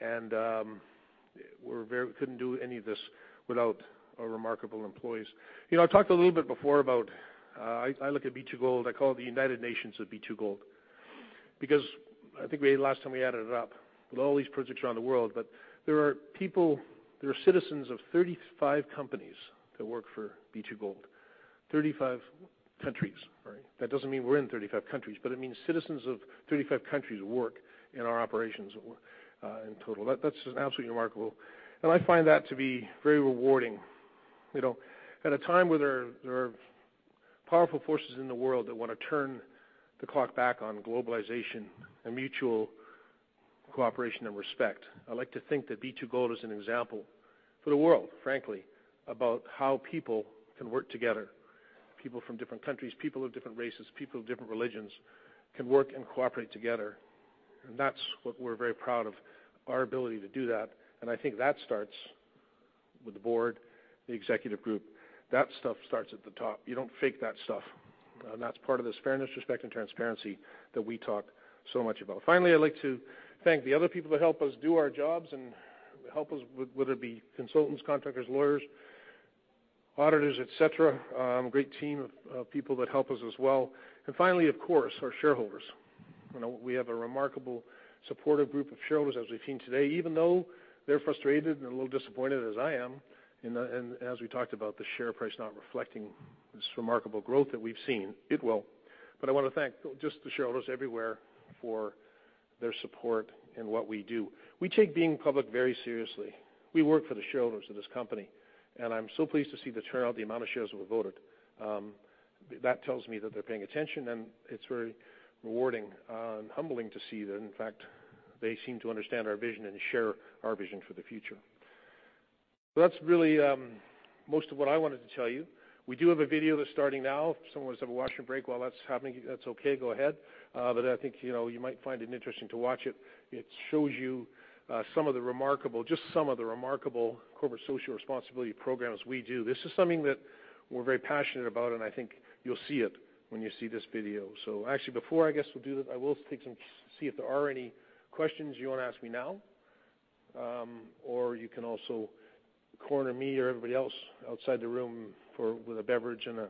and we couldn't do any of this without our remarkable employees. I talked a little bit before about, I look at B2Gold, I call it the United Nations of B2Gold because I think last time we added it up, with all these projects around the world, but there are people, there are citizens of 35 countries that work for B2Gold. 35 countries. That doesn't mean we're in 35 countries, but it means citizens of 35 countries work in our operations in total. That's absolutely remarkable, and I find that to be very rewarding. At a time where there are powerful forces in the world that want to turn the clock back on globalization and mutual cooperation and respect, I like to think that B2Gold is an example for the world, frankly, about how people can work together. People from different countries, people of different races, people of different religions can work and cooperate together. That's what we're very proud of, our ability to do that. I think that starts with the board, the executive group. That stuff starts at the top. You don't fake that stuff and that's part of this fairness, respect, and transparency that we talk so much about. Finally, I'd like to thank the other people that help us do our jobs and help us, whether it be consultants, contractors, lawyers, auditors, et cetera. A great team of people that help us as well. Finally, of course, our shareholders. We have a remarkable supportive group of shareholders, as we've seen today, even though they're frustrated and a little disappointed as I am, as we talked about the share price not reflecting this remarkable growth that we've seen. It will. I want to thank just the shareholders everywhere for their support in what we do. We take being public very seriously. We work for the shareholders of this company, I'm so pleased to see the turnout, the amount of shares that were voted. That tells me that they're paying attention and it's very rewarding and humbling to see that, in fact, they seem to understand our vision and share our vision for the future. That's really most of what I wanted to tell you. We do have a video that's starting now. If someone wants to have a washroom break while that's happening, that's okay, go ahead. I think you might find it interesting to watch it. It shows you just some of the remarkable corporate social responsibility programs we do. This is something that we're very passionate about. I think you'll see it when you see this video. Actually, before I guess we'll do that, I will see if there are any questions you want to ask me now, or you can also corner me or everybody else outside the room with a beverage and a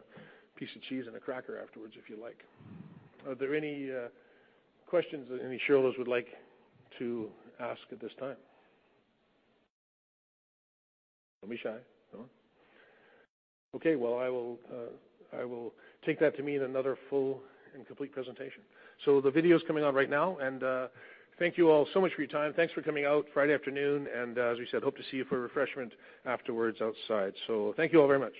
piece of cheese and a cracker afterwards if you like. Are there any questions that any shareholders would like to ask at this time? Don't be shy. No one? Well, I will take that to mean another full and complete presentation. The video's coming on right now, thank you all so much for your time. Thanks for coming out Friday afternoon, as we said, hope to see you for a refreshment afterwards outside. Thank you all very much.